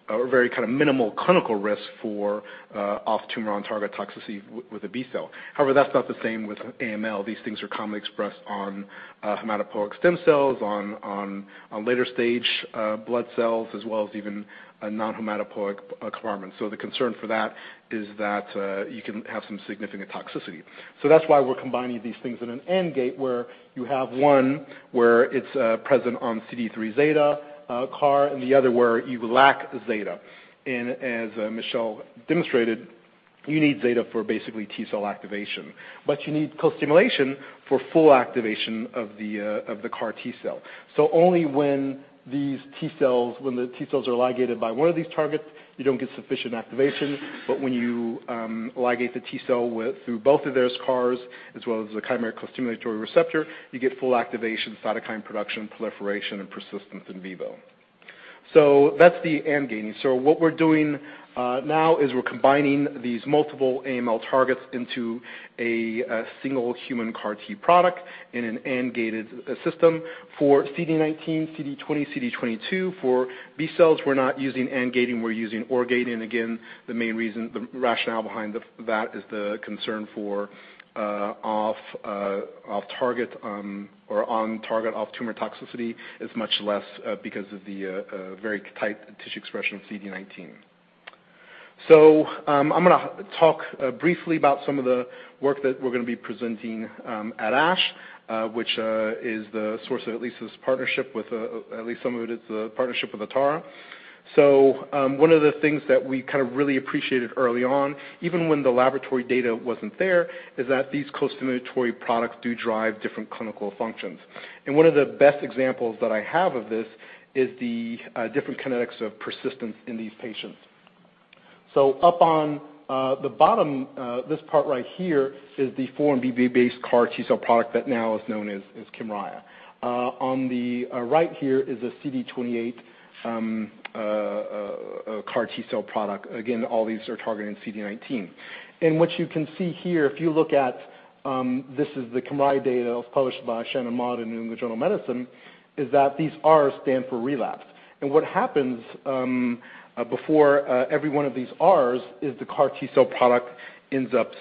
or very minimal clinical risk for off-tumor on-target toxicity with a B-cell. However, that's not the same with AML. These things are commonly expressed on hematopoietic stem cells, on later stage blood cells, as well as even a non-hematopoietic compartment. The concern for that is that you can have some significant toxicity. That's why we're combining these things in an AND gate where you have one where it's present on CD3 zeta CAR and the other where you lack zeta. As Michel demonstrated, you need zeta for basically T cell activation, but you need co-stimulation for full activation of the CAR T cell. Only when the T cells are ligated by one of these targets, you don't get sufficient activation. When you ligate the T cell through both of those CARs as well as the chimeric co-stimulatory receptor, you get full activation, cytokine production, proliferation, and persistence in vivo. That's the AND gating. What we're doing now is we're combining these multiple AML targets into a single human CAR T product in an AND gated system for CD19, CD20, CD22. For B cells, we're not using AND gating, we're using OR gating. Again, the main reason, the rationale behind that is the concern for off-target or on-target off-tumor toxicity is much less because of the very tight tissue expression of CD19. I'm going to talk briefly about some of the work that we're going to be presenting at ASH, which is the source of at least this partnership with, at least some of it is a partnership with Atara. One of the things that we really appreciated early on, even when the laboratory data wasn't there, is that these co-stimulatory products do drive different clinical functions. One of the best examples that I have of this is the different kinetics of persistence in these patients. Up on the bottom, this part right here is the 4-1BB based CAR T-cell product that now is known as KYMRIAH. On the right here is a CD28 CAR T-cell product. All these are targeting CD19. What you can see here, if you look at this is the KYMRIAH data that was published by Shen et al. in The New England Journal of Medicine, is that these Rs stand for relapse. What happens before every one of these Rs is the CAR T-cell product ends up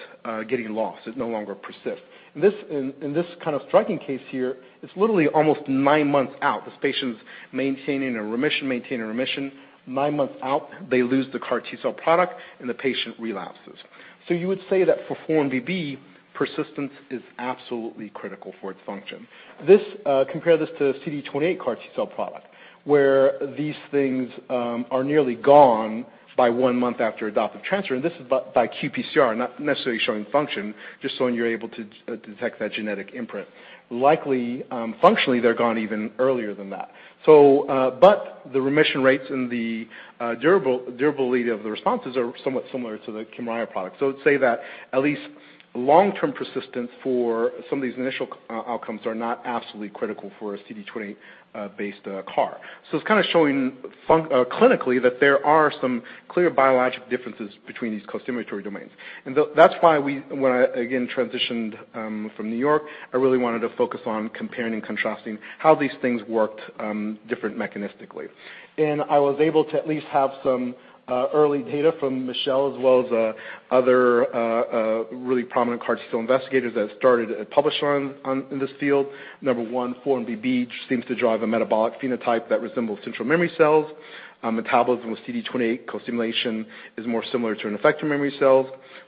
getting lost. It no longer persists. In this striking case here, it's literally almost nine months out. This patient's maintaining a remission. Nine months out, they lose the CAR T-cell product and the patient relapses. You would say that for 4-1BB, persistence is absolutely critical for its function. Compare this to CD28 CAR T-cell product, where these things are nearly gone by one month after adoptive transfer, and this is by qPCR, not necessarily showing function, just showing you're able to detect that genetic imprint. Likely, functionally, they're gone even earlier than that. The remission rates and the durability of the responses are somewhat similar to the KYMRIAH product. I would say that at least long-term persistence for some of these initial outcomes are not absolutely critical for a CD28-based CAR. It's showing clinically that there are some clear biological differences between these costimulatory domains. That's why when I, again, transitioned from New York, I really wanted to focus on comparing and contrasting how these things worked different mechanistically. I was able to at least have some early data from Michel as well as other really prominent CAR T-cell investigators that started and published in this field. Number one, 4-1BB seems to drive a metabolic phenotype that resembles central memory cells. Metabolism with CD28 costimulation is more similar to an effector memory cells.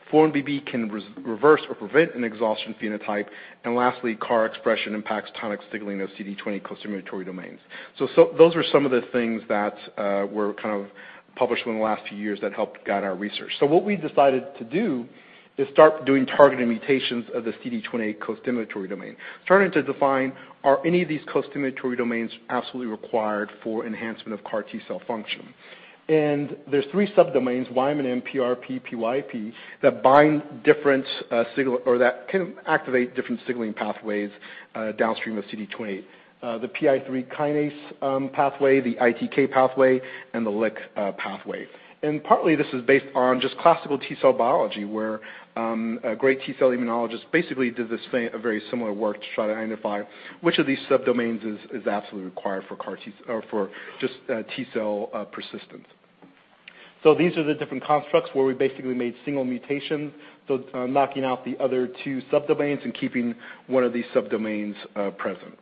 4-1BB can reverse or prevent an exhaustion phenotype. Lastly, CAR expression impacts tonic signaling of CD20 costimulatory domains. Those are some of the things that were published within the last few years that helped guide our research. What we decided to do is start doing targeted mutations of the CD28 costimulatory domain, starting to define are any of these costimulatory domains absolutely required for enhancement of CAR T-cell function? There's three sub-domains, Munin, PRRP, PYAP, that can activate different signaling pathways downstream of CD28. The PI3 kinase pathway, the ITK pathway, and the LCK pathway. Partly this is based on just classical T-cell biology, where a great T-cell immunologist basically did a very similar work to try to identify which of these sub-domains is absolutely required for just T-cell persistence. These are the different constructs where we basically made single mutations, so knocking out the other two sub-domains and keeping one of these sub-domains present.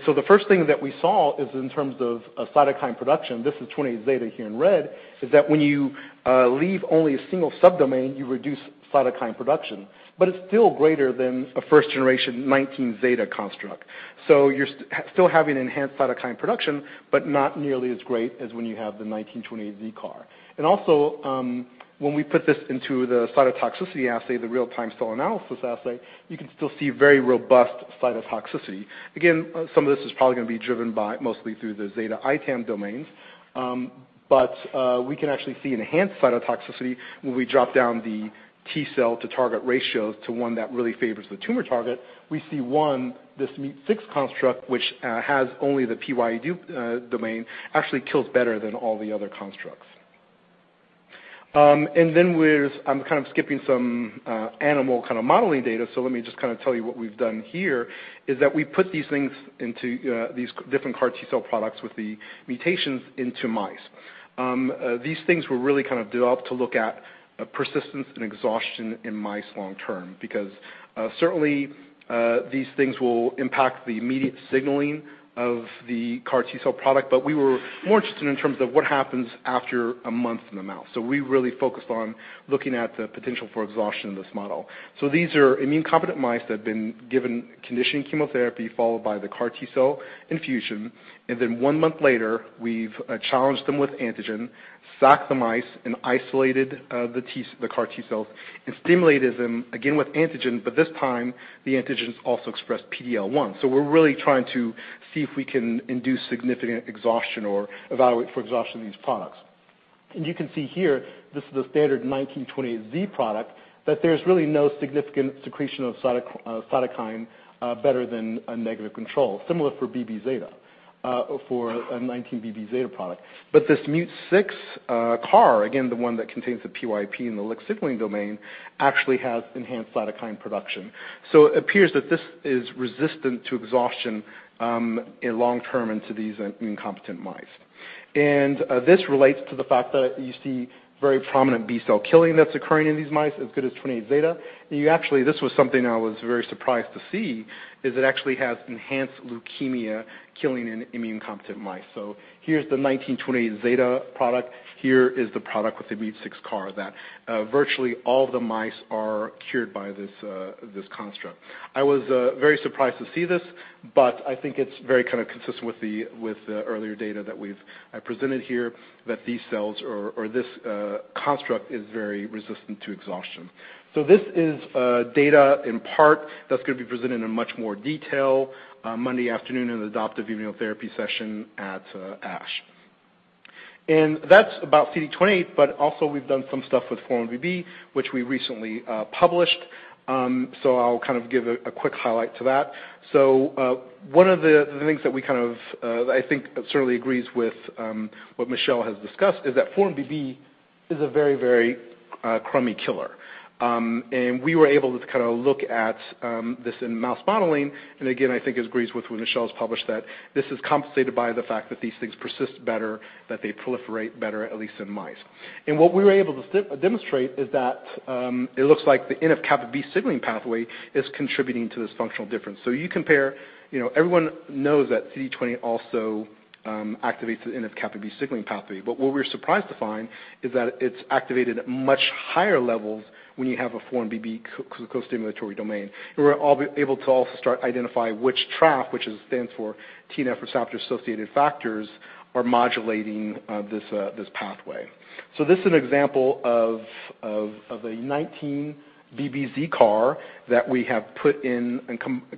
The first thing that we saw is in terms of cytokine production, this is 28 zeta here in red, is that when you leave only a single sub-domain, you reduce cytokine production, but it's still greater than a first generation 19 zeta construct. You're still having enhanced cytokine production, but not nearly as great as when you have the 1928Z CAR. Also, when we put this into the cytotoxicity assay, the real-time stall analysis assay, you can still see very robust cytotoxicity. Again, some of this is probably going to be driven by mostly through the zeta ITAM domains. We can actually see enhanced cytotoxicity when we drop down the T cell to target ratios to one that really favors the tumor target. We see one, this MEET6 construct, which has only the PYD domain, actually kills better than all the other constructs. Then I'm skipping some animal modeling data, let me just tell you what we've done here is that we put these different CAR T cell products with the mutations into mice. These things were really developed to look at persistence and exhaustion in mice long term, because certainly these things will impact the immediate signaling of the CAR T cell product, but we were more interested in terms of what happens after a month in the mouse. We really focused on looking at the potential for exhaustion in this model. These are immune competent mice that have been given conditioning chemotherapy followed by the CAR T cell infusion, and then one month later, we've challenged them with antigen, sacked the mice, and isolated the CAR T cells, and stimulated them again with antigens, but this time the antigens also expressed PD-L1. We're really trying to see if we can induce significant exhaustion or evaluate for exhaustion of these products. You can see here, this is the standard 1928Z product, that there's really no significant secretion of cytokine better than a negative control. Similar for a 19BB zeta product. This MEET6 CAR, again, the one that contains the PYAP and the LCK signaling domain, actually has enhanced cytokine production. It appears that this is resistant to exhaustion long term into these immune competent mice. This relates to the fact that you see very prominent B cell killing that's occurring in these mice, as good as 28 zeta. This was something I was very surprised to see, is it actually has enhanced leukemia killing in immune competent mice. Here's the 1928 zeta product. Here is the product with the MEET6 CAR that virtually all the mice are cured by this construct. I was very surprised to see this, I think it's very consistent with the earlier data that I presented here that these cells or this construct is very resistant to exhaustion. This is data in part that's going to be presented in much more detail on Monday afternoon in the adoptive immunotherapy session at ASH. That's about CD28, but also we've done some stuff with 4-1BB, which we recently published. I'll give a quick highlight to that. One of the things that I think certainly agrees with what Michele has discussed is that 4-1BB is a very, very crummy killer. We were able to look at this in mouse modeling, and again, I think this agrees with what Michel has published, that this is compensated by the fact that these things persist better, that they proliferate better, at least in mice. What we were able to demonstrate is that it looks like the NF-κB signaling pathway is contributing to this functional difference. You compare, everyone knows that CD28 also activates the NF-κB signaling pathway. What we're surprised to find is that it's activated at much higher levels when you have a 4-1BB co-stimulatory domain. We're able to also start identifying which TRAF, which stands for TNF receptor-associated factors, are modulating this pathway. This is an example of a 19BB.Z CAR that we have put in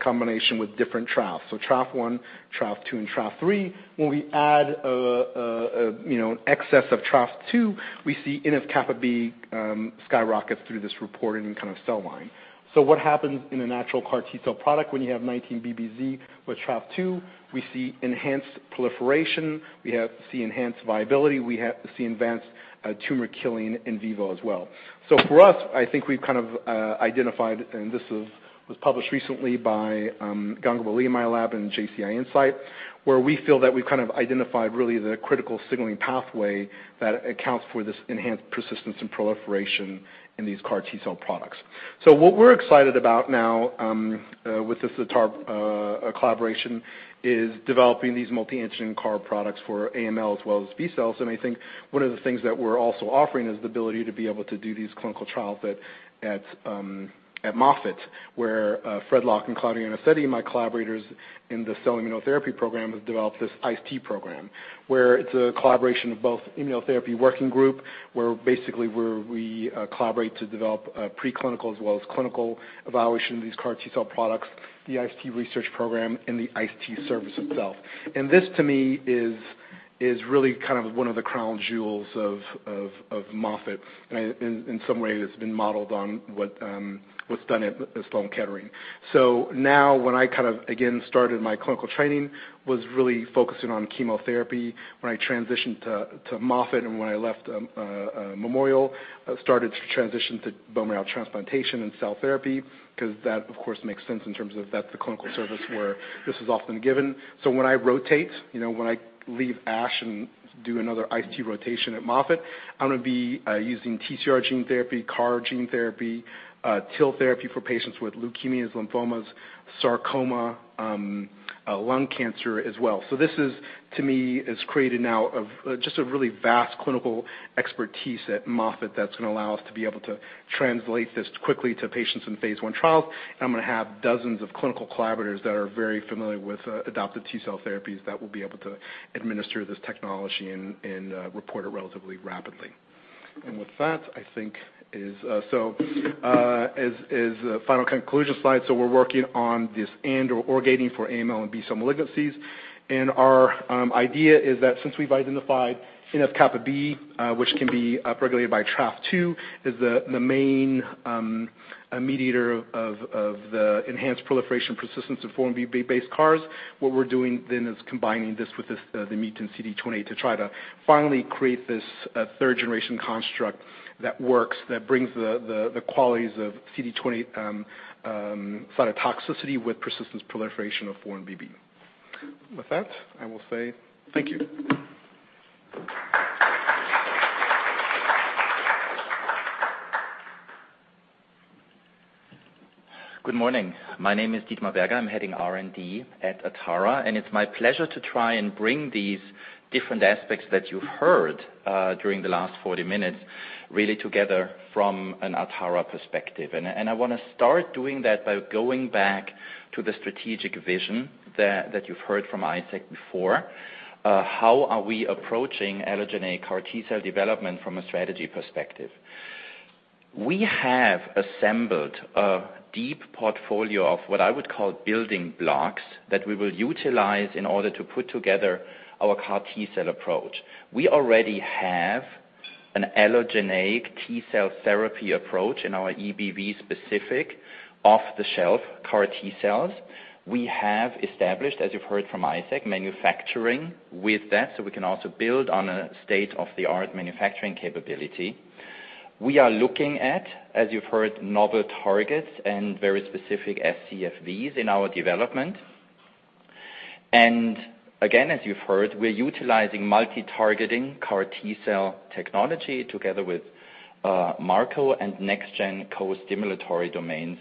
combination with different TRAFs. TRAF1, TRAF2, and TRAF3. When we add an excess of TRAF2, we see NF-κB skyrockets through this reported cell line. What happens in a natural CAR T-cell product when you have 19BB.Z with TRAF2? We see enhanced proliferation. We see enhanced viability. We see enhanced tumor killing in vivo as well. For us, I think we've identified, and this was published recently by Gundoley in my lab in JCI Insight, where we feel that we've identified really the critical signaling pathway that accounts for this enhanced persistence and proliferation in these CAR T-cell products. What we're excited about now with this Atara collaboration is developing these multi-antigen CAR products for AML as well as B cells. I think one of the things that we're also offering is the ability to be able to do these clinical trials at Moffitt, where Frederick Locke and Claudio Anasetti, my collaborators in the cell immunotherapy program, have developed this ICE T program, where it's a collaboration of both immunotherapy working group, where basically we collaborate to develop preclinical as well as clinical evaluation of these CAR T-cell products, the ICE T research program, and the ICE T service itself. This to me is really one of the crown jewels of Moffitt. In some ways, it's been modeled on what's done at Sloan Kettering. Now when I, again, started my clinical training, was really focusing on chemotherapy. When I transitioned to Moffitt and when I left Memorial, I started to transition to bone marrow transplantation and cell therapy because that of course makes sense in terms of that's the clinical service where this is often given. When I rotate, when I leave Ash and do another ICE T rotation at Moffitt, I'm going to be using TCR gene therapy, CAR gene therapy, TIL therapy for patients with leukemias, lymphomas, sarcoma, lung cancer as well. This to me has created now just a really vast clinical expertise at Moffitt that's going to allow us to be able to translate this quickly to patients in phase I trials. I'm going to have dozens of clinical collaborators that are very familiar with adoptive T-cell therapies that will be able to administer this technology and report it relatively rapidly. With that, I think is the final conclusion slide. We're working on this AND/OR gating for AML and B-cell malignancies. Our idea is that since we've identified NF-κB, which can be regulated by TRAF2, is the main mediator of the enhanced proliferation persistence of 4-1BB-based CARs. What we're doing then is combining this with the mutant CD28 to try to finally create this third-generation construct that works, that brings the qualities of CD28 cytotoxicity with persistence proliferation of 4-1BB. With that, I will say thank you. Good morning. My name is Dietmar Berger. I'm heading R&D at Atara, and it's my pleasure to try and bring these different aspects that you've heard during the last 40 minutes really together from an Atara perspective. I want to start doing that by going back to the strategic vision that you've heard from Isaac before. How are we approaching allogeneic CAR T-cell development from a strategy perspective? We have assembled a deep portfolio of what I would call building blocks that we will utilize in order to put together our CAR T-cell approach. We already have an allogeneic T-cell therapy approach in our EBV-specific off-the-shelf CAR T-cells. We have established, as you've heard from Isaac, manufacturing with that, so we can also build on a state-of-the-art manufacturing capability. We are looking at, as you've heard, novel targets and very specific scFvs in our development. Again, as you've heard, we're utilizing multi-targeting CAR T-cell technology together with Marco and next-gen co-stimulatory domains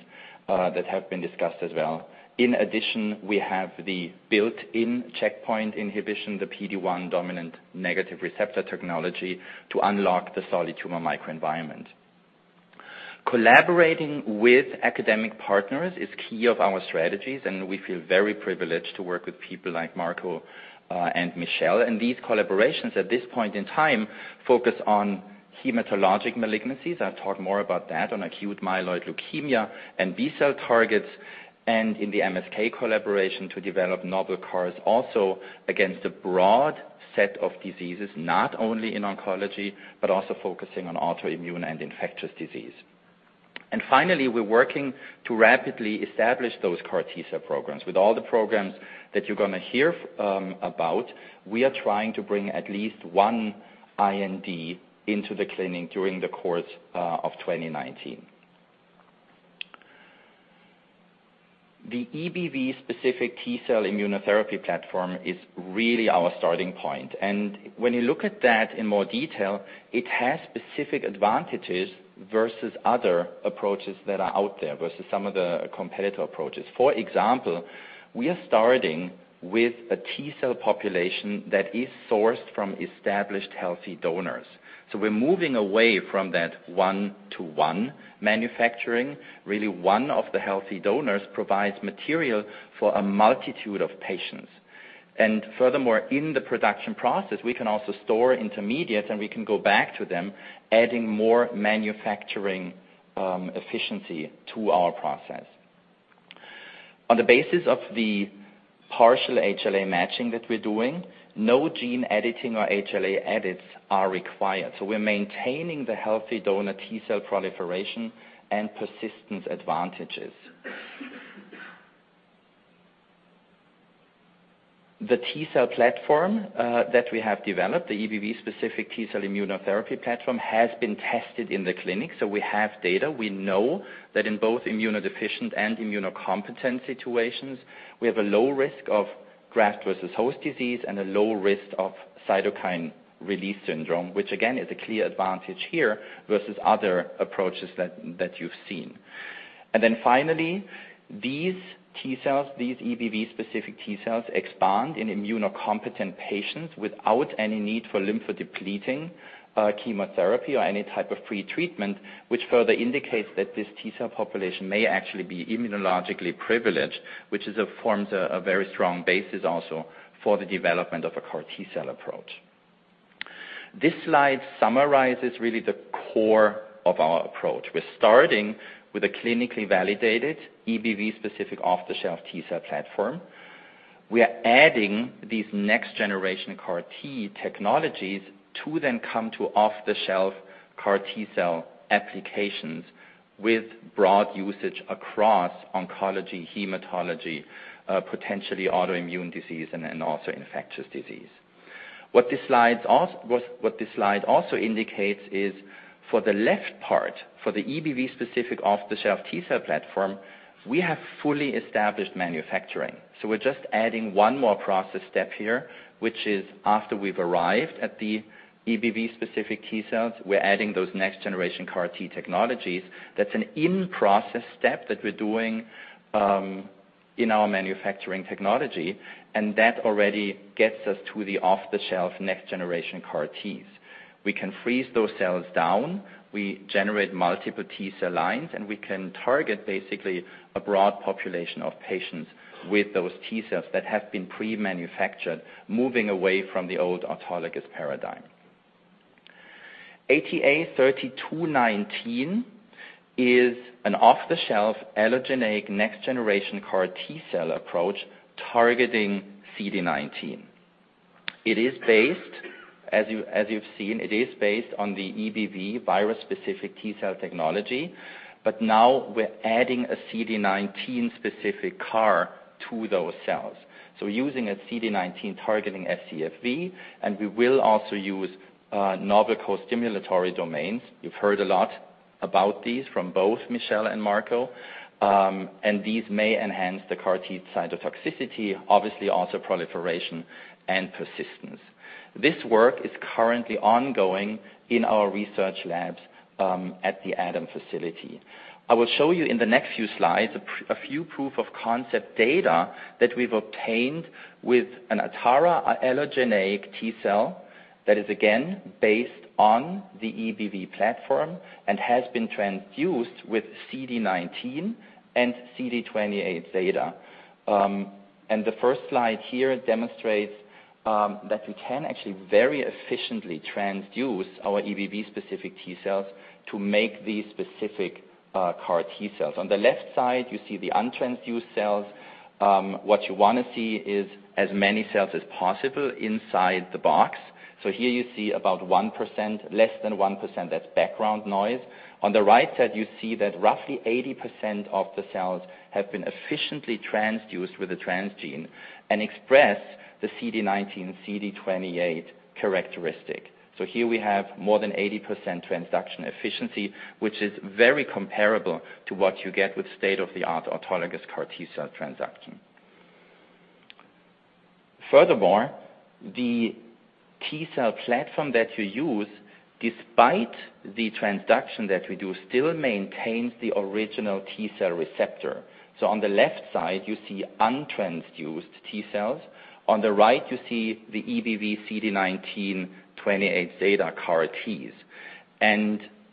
that have been discussed as well. In addition, we have the built-in checkpoint inhibition, the PD-1 dominant negative receptor technology to unlock the solid tumor microenvironment. Collaborating with academic partners is key of our strategies, and we feel very privileged to work with people like Marco and Michel. These collaborations at this point in time focus on hematologic malignancies. I'll talk more about that on acute myeloid leukemia and B-cell targets, and in the MSK collaboration to develop novel CARs also against a broad set of diseases, not only in oncology, but also focusing on autoimmune and infectious disease. Finally, we're working to rapidly establish those CAR T-cell programs. With all the programs that you're going to hear about, we are trying to bring at least one IND into the clinic during the course of 2019. The EBV-specific T-cell immunotherapy platform is really our starting point. When you look at that in more detail, it has specific advantages versus other approaches that are out there, versus some of the competitor approaches. For example, we are starting with a T-cell population that is sourced from established healthy donors. We're moving away from that one-to-one manufacturing. Really, one of the healthy donors provides material for a multitude of patients. Furthermore, in the production process, we can also store intermediates, and we can go back to them, adding more manufacturing efficiency to our process. On the basis of the partial HLA matching that we're doing, no gene editing or HLA edits are required. We're maintaining the healthy donor T-cell proliferation and persistence advantages. The T-cell platform that we have developed, the EBV-specific T-cell immunotherapy platform, has been tested in the clinic. We have data. We know that in both immunodeficient and immunocompetent situations, we have a low risk of graft versus host disease and a low risk of cytokine release syndrome, which again, is a clear advantage here versus other approaches that you've seen. Finally, these T cells, these EBV-specific T cells, expand in immunocompetent patients without any need for lympho-depleting chemotherapy or any type of pre-treatment, which further indicates that this T-cell population may actually be immunologically privileged, which forms a very strong basis also for the development of a CAR T-cell approach. This slide summarizes really the core of our approach. We're starting with a clinically validated EBV-specific off-the-shelf T-cell platform. We are adding these next generation CAR T technologies to then come to off-the-shelf CAR T-cell applications with broad usage across oncology, hematology, potentially autoimmune disease, and also infectious disease. What this slide also indicates is for the left part, for the EBV-specific off-the-shelf T-cell platform, we have fully established manufacturing. We're just adding one more process step here, which is after we've arrived at the EBV-specific T cells, we're adding those next generation CAR T technologies. That's an in-process step that we're doing in our manufacturing technology, and that already gets us to the off-the-shelf next generation CAR Ts. We can freeze those cells down, we generate multiple T-cell lines, we can target basically a broad population of patients with those T cells that have been pre-manufactured, moving away from the old autologous paradigm. ATA3219 is an off-the-shelf allogeneic next generation CAR T-cell approach targeting CD19. As you've seen, it is based on the EBV virus-specific T-cell technology. Now we're adding a CD19-specific CAR to those cells, using a CD19-targeting scFv, and we will also use novel costimulatory domains. You've heard a lot about these from both Michel and Marco. These may enhance the CAR T cytotoxicity, obviously also proliferation and persistence. This work is currently ongoing in our research labs, at the ATOM facility. I will show you in the next few slides a few proof of concept data that we've obtained with an Atara allogeneic T-cell that is again, based on the EBV platform and has been transduced with CD19 and CD28 zeta. The first slide here demonstrates that we can actually very efficiently transduce our EBV-specific T cells to make these specific CAR T cells. On the left side, you see the untransduced cells. What you want to see is as many cells as possible inside the box. Here you see about 1%, less than 1%. That's background noise. On the right side, you see that roughly 80% of the cells have been efficiently transduced with a transgene and express the CD19, CD28 characteristic. Here we have more than 80% transduction efficiency, which is very comparable to what you get with state-of-the-art autologous CAR T-cell transduction. Furthermore, the T-cell platform that you use, despite the transduction that we do, still maintains the original T-cell receptor. On the left side, you see untransduced T-cells. On the right, you see the EBV CD19 28 zeta CAR Ts.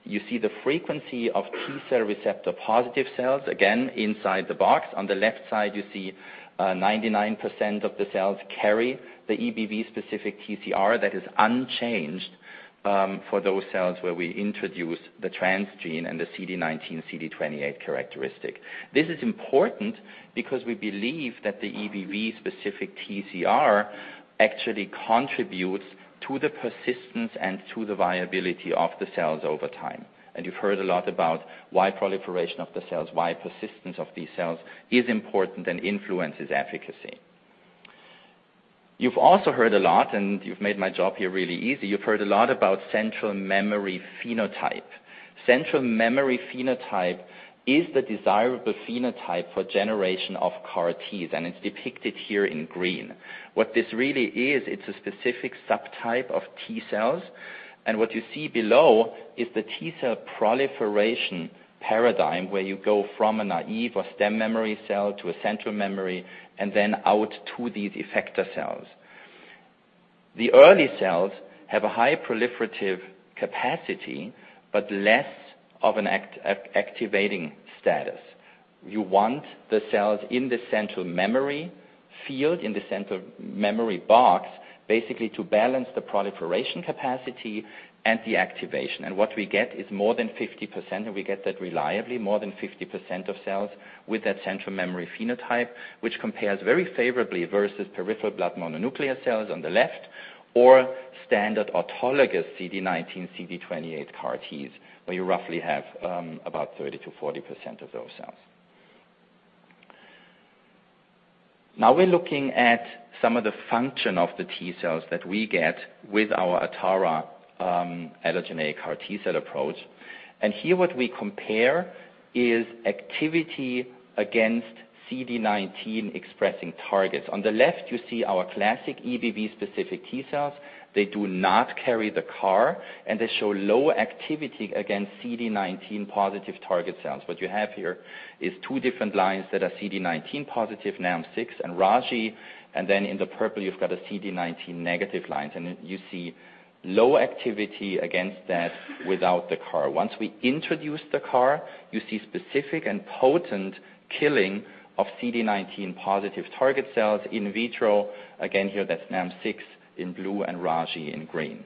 You see the frequency of T-cell receptor positive cells again inside the box. On the left side, you see 99% of the cells carry the EBV-specific TCR that is unchanged. For those cells where we introduce the transgene and the CD19, CD28 characteristic. This is important because we believe that the EBV-specific TCR actually contributes to the persistence and to the viability of the cells over time. You've heard a lot about why proliferation of the cells, why persistence of these cells is important and influences efficacy. You've also heard a lot, and you've made my job here really easy, you've heard a lot about central memory phenotype. Central memory phenotype is the desirable phenotype for generation of CAR Ts, and it's depicted here in green. What this really is, it's a specific subtype of T-cells. What you see below is the T-cell proliferation paradigm, where you go from a naive or stem memory cell to a central memory, and then out to these effector cells. The early cells have a high proliferative capacity, but less of an activating status. You want the cells in the central memory field, in the central memory box, basically to balance the proliferation capacity and the activation. What we get is more than 50%, and we get that reliably, more than 50% of cells with that central memory phenotype, which compares very favorably versus peripheral blood mononuclear cells on the left, or standard autologous CD19, CD28 CAR Ts, where you roughly have about 30%-40% of those cells. Now we're looking at some of the function of the T-cells that we get with our Atara allogeneic CAR T-cell approach. Here what we compare is activity against CD19 expressing targets. On the left, you see our classic EBV-specific T-cells. They do not carry the CAR, and they show low activity against CD19 positive target cells. What you have here is two different lines that are CD19 positive, NALM-6 and Raji, and then in the purple you've got a CD19 negative lines. You see low activity against that without the CAR. Once we introduce the CAR, you see specific and potent killing of CD19 positive target cells in vitro. Again, here that's NALM-6 in blue and Raji in green.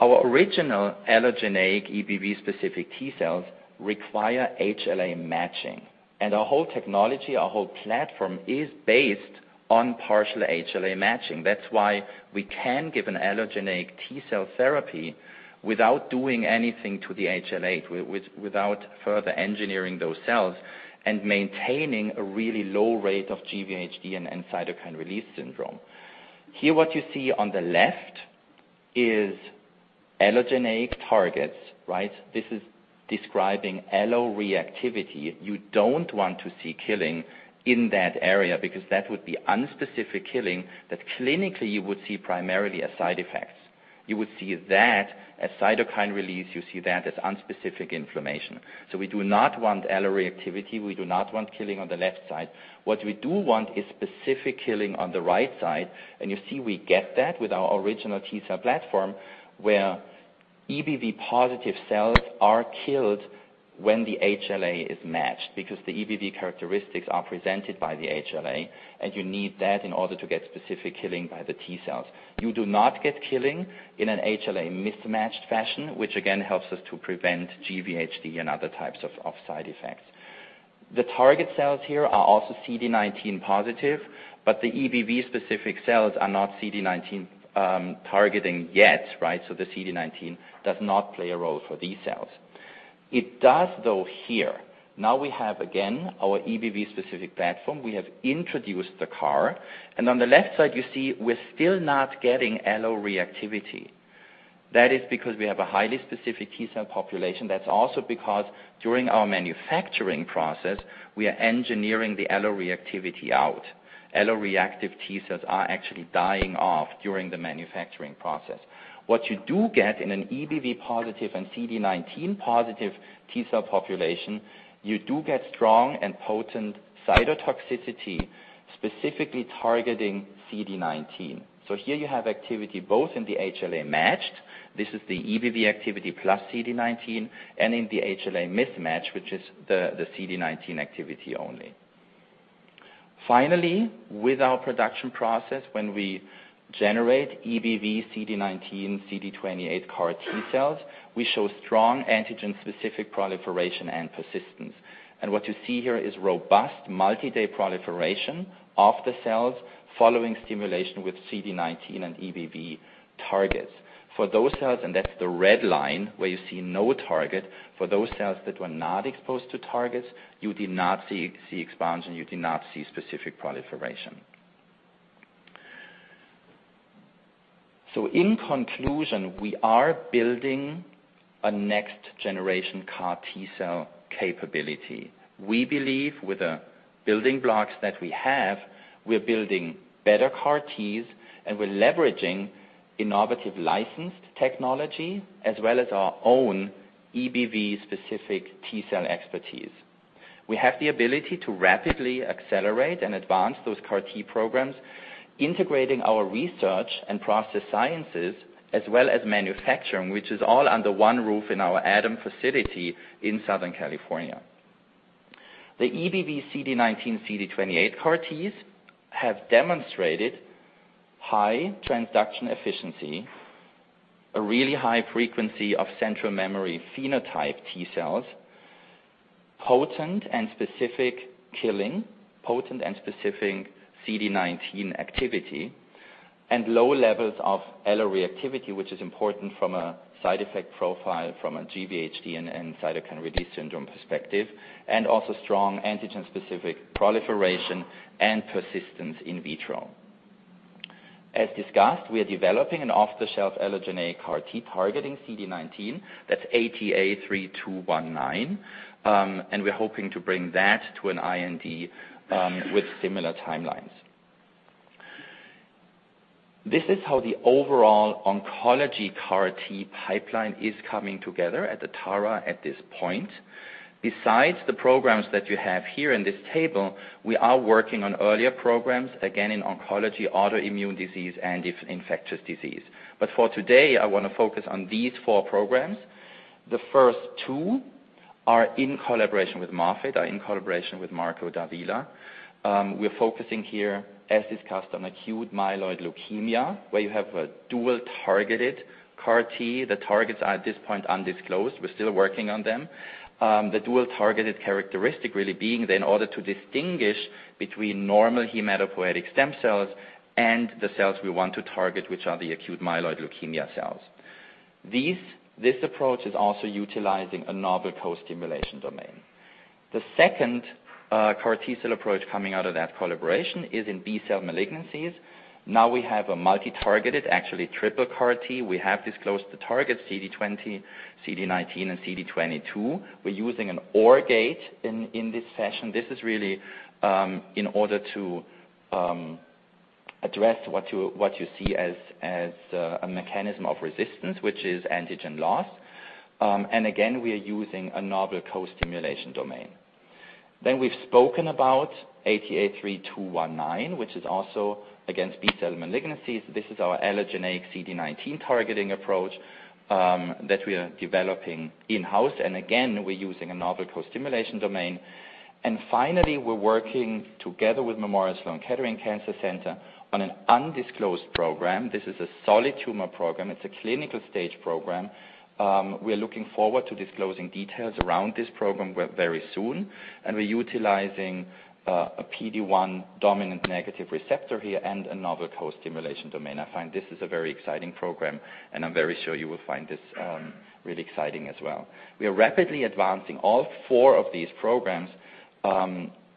Our original allogeneic EBV-specific T-cells require HLA matching, and our whole technology, our whole platform, is based on partial HLA matching. That's why we can give an allogeneic T-cell therapy without doing anything to the HLA, without further engineering those cells, and maintaining a really low rate of GVHD and cytokine release syndrome. Here what you see on the left is allogeneic targets. This is describing alloreactivity. You don't want to see killing in that area, because that would be unspecific killing that clinically you would see primarily as side effects. You would see that as cytokine release, you see that as unspecific inflammation. We do not want alloreactivity. We do not want killing on the left side. What we do want is specific killing on the right side, and you see we get that with our original T-cell platform, where EBV-positive cells are killed when the HLA is matched. The EBV characteristics are presented by the HLA, and you need that in order to get specific killing by the T-cells. You do not get killing in an HLA-mismatched fashion, which again helps us to prevent GVHD and other types of side effects. The target cells here are also CD19-positive, but the EBV-specific cells are not CD19-targeting yet. The CD19 does not play a role for these cells. It does, though, here. Now we have, again, our EBV-specific platform. We have introduced the CAR. And on the left side, you see we are still not getting alloreactivity. That is because we have a highly specific T-cell population. That is also because during our manufacturing process, we are engineering the alloreactivity out. Alloreactive T-cells are actually dying off during the manufacturing process. What you do get in an EBV-positive and CD19-positive T-cell population, you do get strong and potent cytotoxicity specifically targeting CD19. Here you have activity both in the HLA-matched, this is the EBV activity plus CD19, and in the HLA-mismatch, which is the CD19 activity only. Finally, with our production process, when we generate EBV CD19, CD28 CAR T-cells, we show strong antigen-specific proliferation and persistence. And what you see here is robust multi-day proliferation of the cells following stimulation with CD19 and EBV targets. For those cells, and that's the red line where you see no target, for those cells that were not exposed to targets, you did not see expansion, you did not see specific proliferation. In conclusion, we are building a next generation CAR T-cell capability. We believe with the building blocks that we have, we're building better CAR Ts, and we're leveraging innovative licensed technology as well as our own EBV-specific T-cell expertise. We have the ability to rapidly accelerate and advance those CAR T programs, integrating our research and process sciences as well as manufacturing, which is all under one roof in our ATOM facility in Southern California. The EBV CD19, CD28 CAR Ts have demonstrated high transduction efficiency, a really high frequency of central memory phenotype T-cells, potent and specific killing, potent and specific CD19 activity, and low levels of alloreactivity, which is important from a side effect profile, from a GVHD and cytokine release syndrome perspective, and also strong antigen-specific proliferation and persistence in vitro. As discussed, we are developing an off-the-shelf allogeneic CAR T targeting CD19. That's ATA3219, and we're hoping to bring that to an IND with similar timelines. This is how the overall oncology CAR T pipeline is coming together at Atara at this point. Besides the programs that you have here in this table, we are working on earlier programs, again in oncology, autoimmune disease, and infectious disease. For today, I want to focus on these four programs. The first two are in collaboration with Moffitt, are in collaboration with Marco Davila. We're focusing here, as discussed, on acute myeloid leukemia, where you have a dual-targeted CAR T. The targets are at this point undisclosed. We're still working on them. The dual-targeted characteristic really being in order to distinguish between normal hematopoietic stem cells and the cells we want to target, which are the acute myeloid leukemia cells. This approach is also utilizing a novel co-stimulation domain. The second CAR T-cell approach coming out of that collaboration is in B-cell malignancies. Now we have a multi-targeted, actually triple CAR T. We have disclosed the target CD20, CD19, and CD22. We're using an OR gate in this fashion. This is really in order to address what you see as a mechanism of resistance, which is antigen loss. Again, we are using a novel co-stimulation domain. We've spoken about ATA3219, which is also against B-cell malignancies. This is our allogeneic CD19-targeting approach that we are developing in-house. Again, we're using a novel co-stimulation domain. Finally, we're working together with Memorial Sloan Kettering Cancer Center on an undisclosed program. This is a solid tumor program. It's a clinical-stage program. We are looking forward to disclosing details around this program very soon, and we're utilizing a PD-1 dominant negative receptor here and a novel co-stimulation domain. I find this is a very exciting program, and I'm very sure you will find this really exciting as well. We are rapidly advancing all four of these programs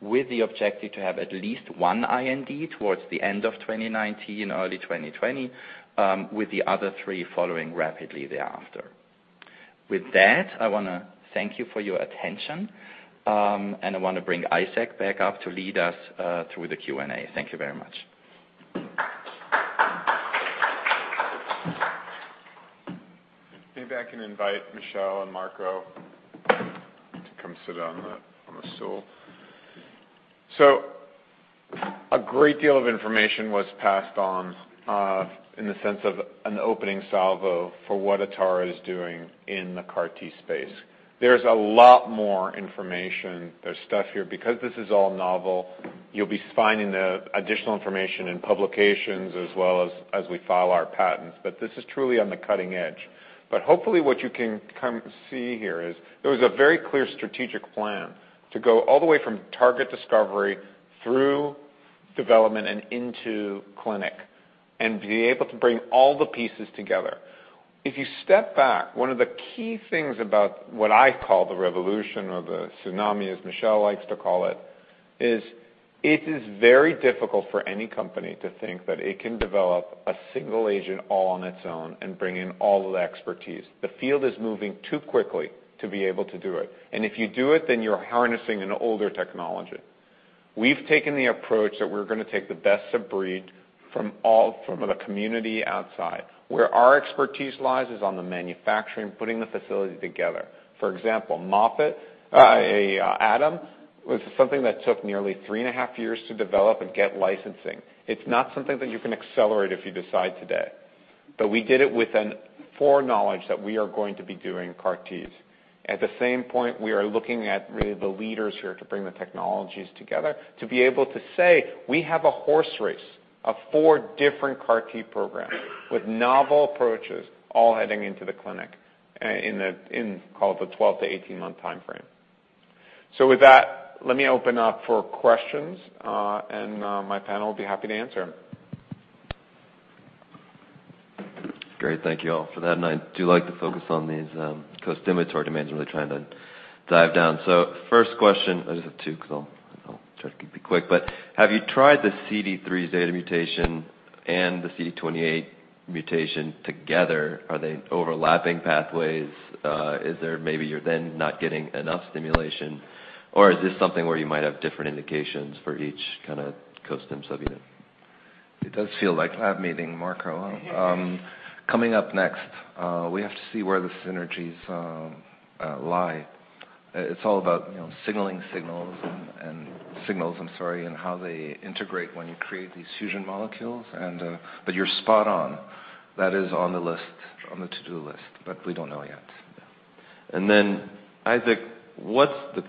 with the objective to have at least one IND towards the end of 2019, early 2020, with the other three following rapidly thereafter. With that, I want to thank you for your attention, and I want to bring Isaac back up to lead us through the Q&A. Thank you very much. Maybe I can invite Michel and Marco to come sit on the stool. A great deal of information was passed on in the sense of an opening salvo for what Atara is doing in the CAR T-space. There's a lot more information. There's stuff here, because this is all novel, you'll be finding the additional information in publications as well as we file our patents. This is truly on the cutting edge. Hopefully what you can come see here is there is a very clear strategic plan to go all the way from target discovery through development and into clinic, and be able to bring all the pieces together. If you step back, one of the key things about what I call the revolution or the tsunami, as Michel likes to call it, is it is very difficult for any company to think that it can develop a single agent all on its own and bring in all of the expertise. The field is moving too quickly to be able to do it. If you do it, then you're harnessing an older technology. We've taken the approach that we're going to take the best of breed from the community outside. Where our expertise lies is on the manufacturing, putting the facility together. For example, ATOM was something that took nearly three and a half years to develop and get licensing. It's not something that you can accelerate if you decide today. We did it with a foreknowledge that we are going to be doing CAR Ts. At the same point, we are looking at really the leaders here to bring the technologies together, to be able to say we have a horse race of four different CAR T programs with novel approaches all heading into the clinic in the 12-18-month time frame. With that, let me open up for questions, and my panel will be happy to answer. Great. Thank you all for that. I do like to focus on these co-stimulatory demands. I'm really trying to dive down. First question, I just have two because I'll try to be quick, but have you tried the CD3 zeta mutation and the CD28 mutation together? Are they overlapping pathways? Is there maybe you're then not getting enough stimulation, or is this something where you might have different indications for each kind of co-stim subtype? It does feel like lab meeting Marco. Coming up next, we have to see where the synergies lie. It's all about signaling signals and how they integrate when you create these fusion molecules. You're spot on. That is on the to-do list, we don't know yet. Then, Isaac, what's the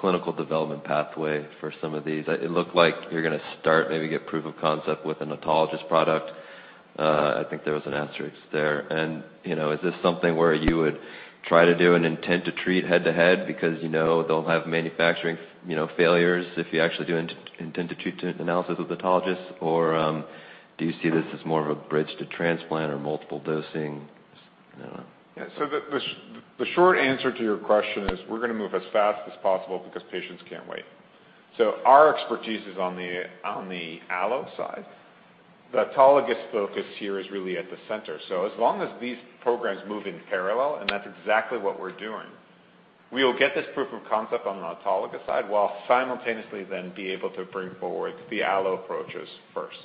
clinical development pathway for some of these? It looked like you're going to start, maybe get proof of concept with an autologous product. I think there was an asterisk there. Is this something where you would try to do an intent to treat head-to-head because they'll have manufacturing failures if you actually do intent to treat analysis with autologous, or do you see this as more of a bridge to transplant or multiple dosing? I don't know. The short answer to your question is we're going to move as fast as possible because patients can't wait. Our expertise is on the allo side. The autologous focus here is really at the center. As long as these programs move in parallel, and that's exactly what we're doing, we will get this proof of concept on the autologous side while simultaneously then be able to bring forward the allo approaches first.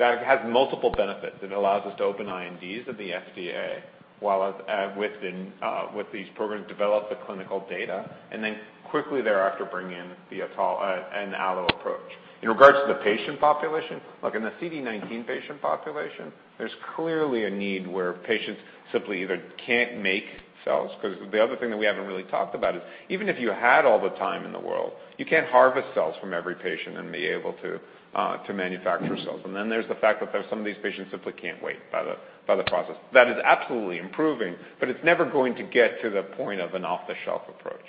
That has multiple benefits. It allows us to open INDs with the FDA, while with these programs, develop the clinical data, and then quickly thereafter bring in an allo approach. In regards to the patient population, like in the CD19 patient population, there's clearly a need where patients simply either can't make cells. The other thing that we haven't really talked about is even if you had all the time in the world, you can't harvest cells from every patient and be able to manufacture cells. There's the fact that there's some of these patients simply can't wait by the process. That is absolutely improving, but it's never going to get to the point of an off-the-shelf approach.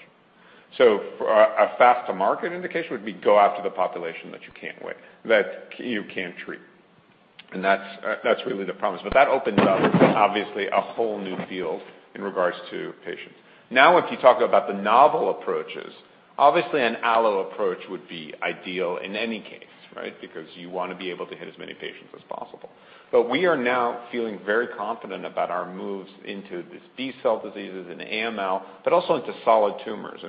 A faster market indication would be go after the population that you can't treat. That's really the promise. That opens up, obviously, a whole new field in regards to patients. Now, if you talk about the novel approaches, obviously an allo approach would be ideal in any case, right? Because you want to be able to hit as many patients as possible. We are now feeling very confident about our moves into these B-cell diseases and AML, but also into solid tumors.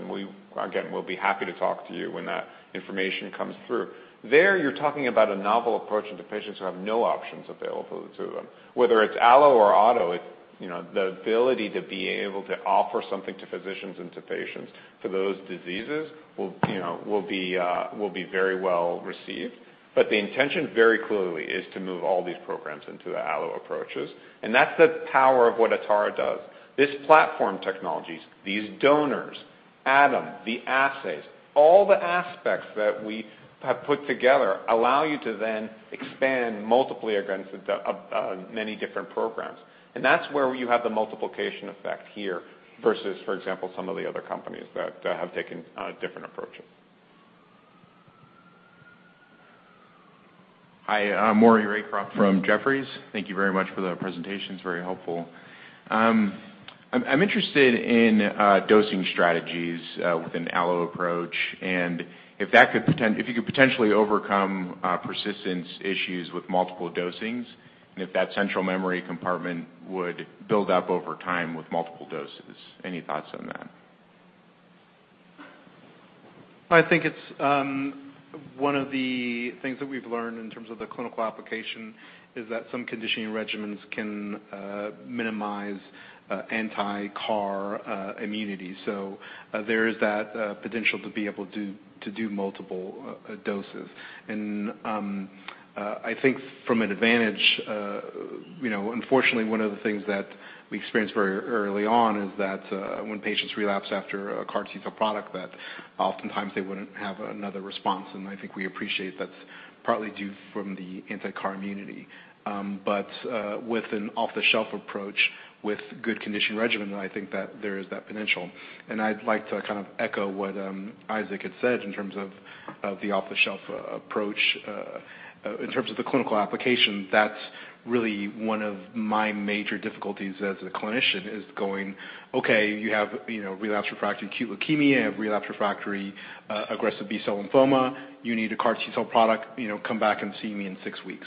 Again, we'll be happy to talk to you when that information comes through. There, you're talking about a novel approach into patients who have no options available to them. Whether it's allo or auto, the ability to be able to offer something to physicians and to patients for those diseases will be very well received. The intention, very clearly, is to move all these programs into the allo approaches, and that's the power of what Atara does. This platform technologies, these donors, ATOM, the assays, all the aspects that we have put together allow you to then expand multiple agents of many different programs. That's where you have the multiplication effect here versus, for example, some of the other companies that have taken different approaches. Hi, I'm Maury Raycroft from Jefferies. Thank you very much for the presentation. It's very helpful. I'm interested in dosing strategies with an allo approach and if you could potentially overcome persistence issues with multiple dosings, and if that central memory compartment would build up over time with multiple doses. Any thoughts on that? I think it's one of the things that we've learned in terms of the clinical application is that some conditioning regimens can minimize anti-CAR immunity. There is that potential to be able to do multiple doses. I think from an advantage, unfortunately, one of the things that we experienced very early on is that when patients relapse after a CAR T-cell product, that oftentimes they wouldn't have another response. I think we appreciate that's partly due from the anti-CAR immunity. With an off-the-shelf approach with good condition regimen, I think that there is that potential. I'd like to echo what Isaac had said in terms of the off-the-shelf approach. In terms of the clinical application, that's really one of my major difficulties as a clinician is going, "Okay, you have relapsed/refractory acute leukemia, you have relapsed/refractory aggressive B-cell lymphoma. You need a CAR T-cell product. Come back and see me in six weeks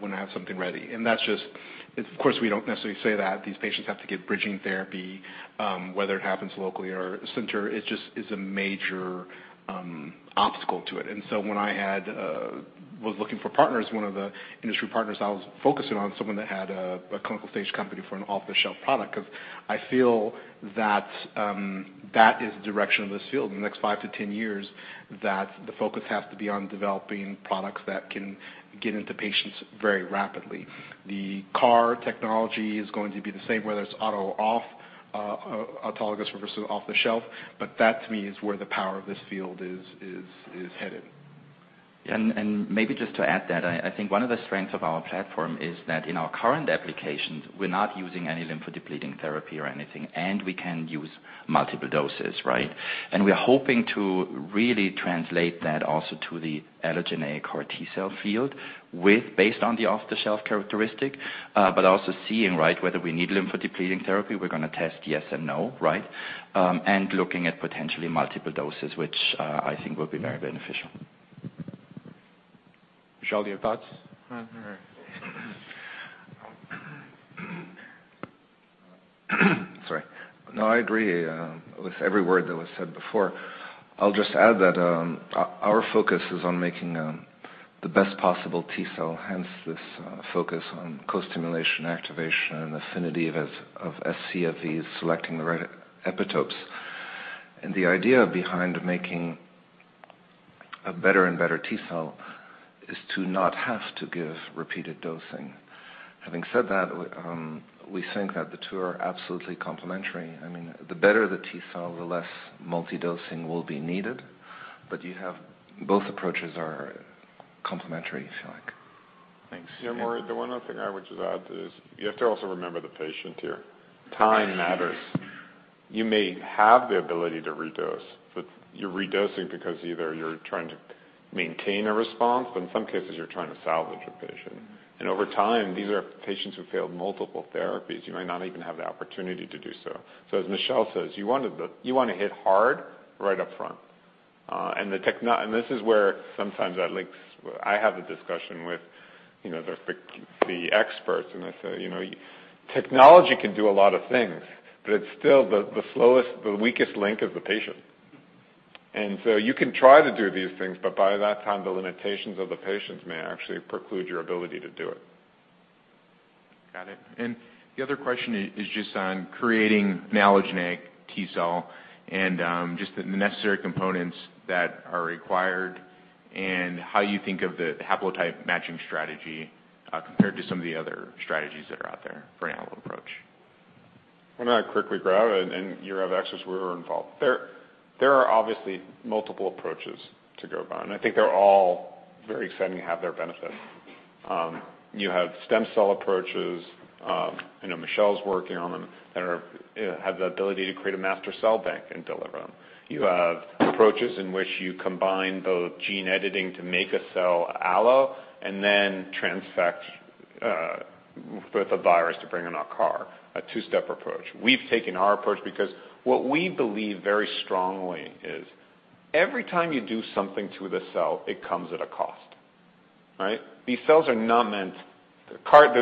when I have something ready." Of course, we don't necessarily say that. These patients have to get bridging therapy, whether it happens locally or center, it's a major obstacle to it. When I was looking for partners, one of the industry partners I was focusing on, someone that had a clinical stage company for an off-the-shelf product, because I feel that is the direction of this field in the next five to 10 years, that the focus has to be on developing products that can get into patients very rapidly. The CAR technology is going to be the same, whether it's auto or off, autologous versus off-the-shelf, but that, to me, is where the power of this field is headed. Maybe just to add that, I think one of the strengths of our platform is that in our current applications, we're not using any lympho-depleting therapy or anything. We can use multiple doses, right? We are hoping to really translate that also to the allogeneic or T-cell field based on the off-the-shelf characteristic, but also seeing, right, whether we need lympho-depleting therapy, we're going to test yes and no, right? Looking at potentially multiple doses, which I think will be very beneficial. Sadelain, your thoughts? Sorry. No, I agree with every word that was said before. I'll just add that our focus is on making the best possible T-cell, hence this focus on co-stimulation, activation, and affinity of scFv selecting the right epitopes. The idea behind making a better and better T cell is to not have to give repeated dosing. Having said that, we think that the two are absolutely complementary. I mean, the better the T cell, the less multi-dosing will be needed, but both approaches are complementary, if you like. Thanks. Yeah, Maury, the one other thing I would just add is you have to also remember the patient here. Time matters. You may have the ability to redose, but you're redosing because either you're trying to maintain a response, but in some cases, you're trying to salvage a patient. Over time, these are patients who failed multiple therapies. You might not even have the opportunity to do so. As Michel says, you want to hit hard right up front. This is where sometimes I have a discussion with the experts, and I say, "Technology can do a lot of things, but it's still the slowest, the weakest link is the patient." You can try to do these things, but by that time, the limitations of the patients may actually preclude your ability to do it. Got it. The other question is just on creating an allogeneic T cell and just the necessary components that are required and how you think of the haplotype matching strategy, compared to some of the other strategies that are out there for an allo approach. Why not quickly grab, you have access, we were involved. There are obviously multiple approaches to go by, I think they're all very exciting to have their benefit. You have stem cell approaches, Michel's working on them, that have the ability to create a master cell bank and deliver them. You have approaches in which you combine both gene editing to make a cell allo, then transfect with a virus to bring in a CAR, a two-step approach. We've taken our approach because what we believe very strongly is every time you do something to the cell, it comes at a cost, right? There's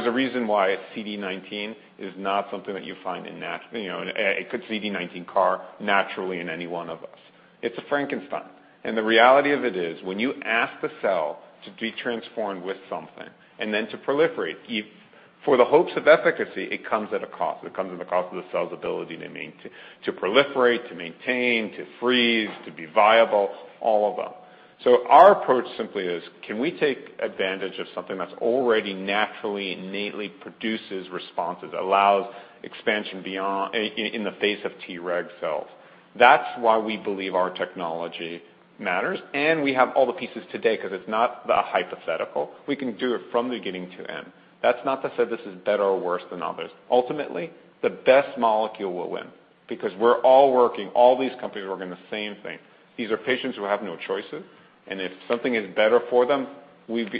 a reason why a CD19 is not something that you find a good CD19 CAR naturally in any one of us. It's a Frankenstein. The reality of it is when you ask the cell to be transformed with something and then to proliferate, for the hopes of efficacy, it comes at a cost. It comes at a cost of the cell's ability to proliferate, to maintain, to freeze, to be viable, all of them. Our approach simply is, can we take advantage of something that already naturally, innately produces responses, allows expansion in the face of Treg cells? That's why we believe our technology matters, and we have all the pieces today because it's not hypothetical. We can do it from beginning to end. That's not to say this is better or worse than others. Ultimately, the best molecule will win because we're all working the same thing. These are patients who have no choices, and if something is better for them,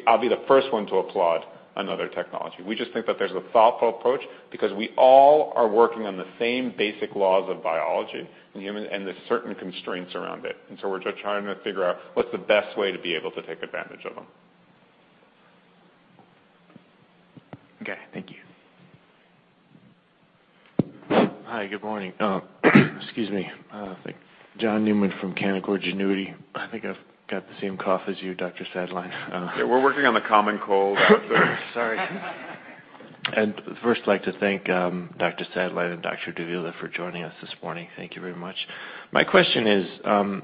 I'll be the first one to applaud another technology. We just think that there's a thoughtful approach because we all are working on the same basic laws of biology and the certain constraints around it. We're just trying to figure out what's the best way to be able to take advantage of them. Okay. Thank you. Hi, good morning. Excuse me. John Newman from Canaccord Genuity. I think I've got the same cough as you, Dr. Sadelain. Yeah, we're working on the common cold. Sorry. I'd first like to thank Dr. Sadelain and Dr. Davila for joining us this morning. Thank you very much. My question is,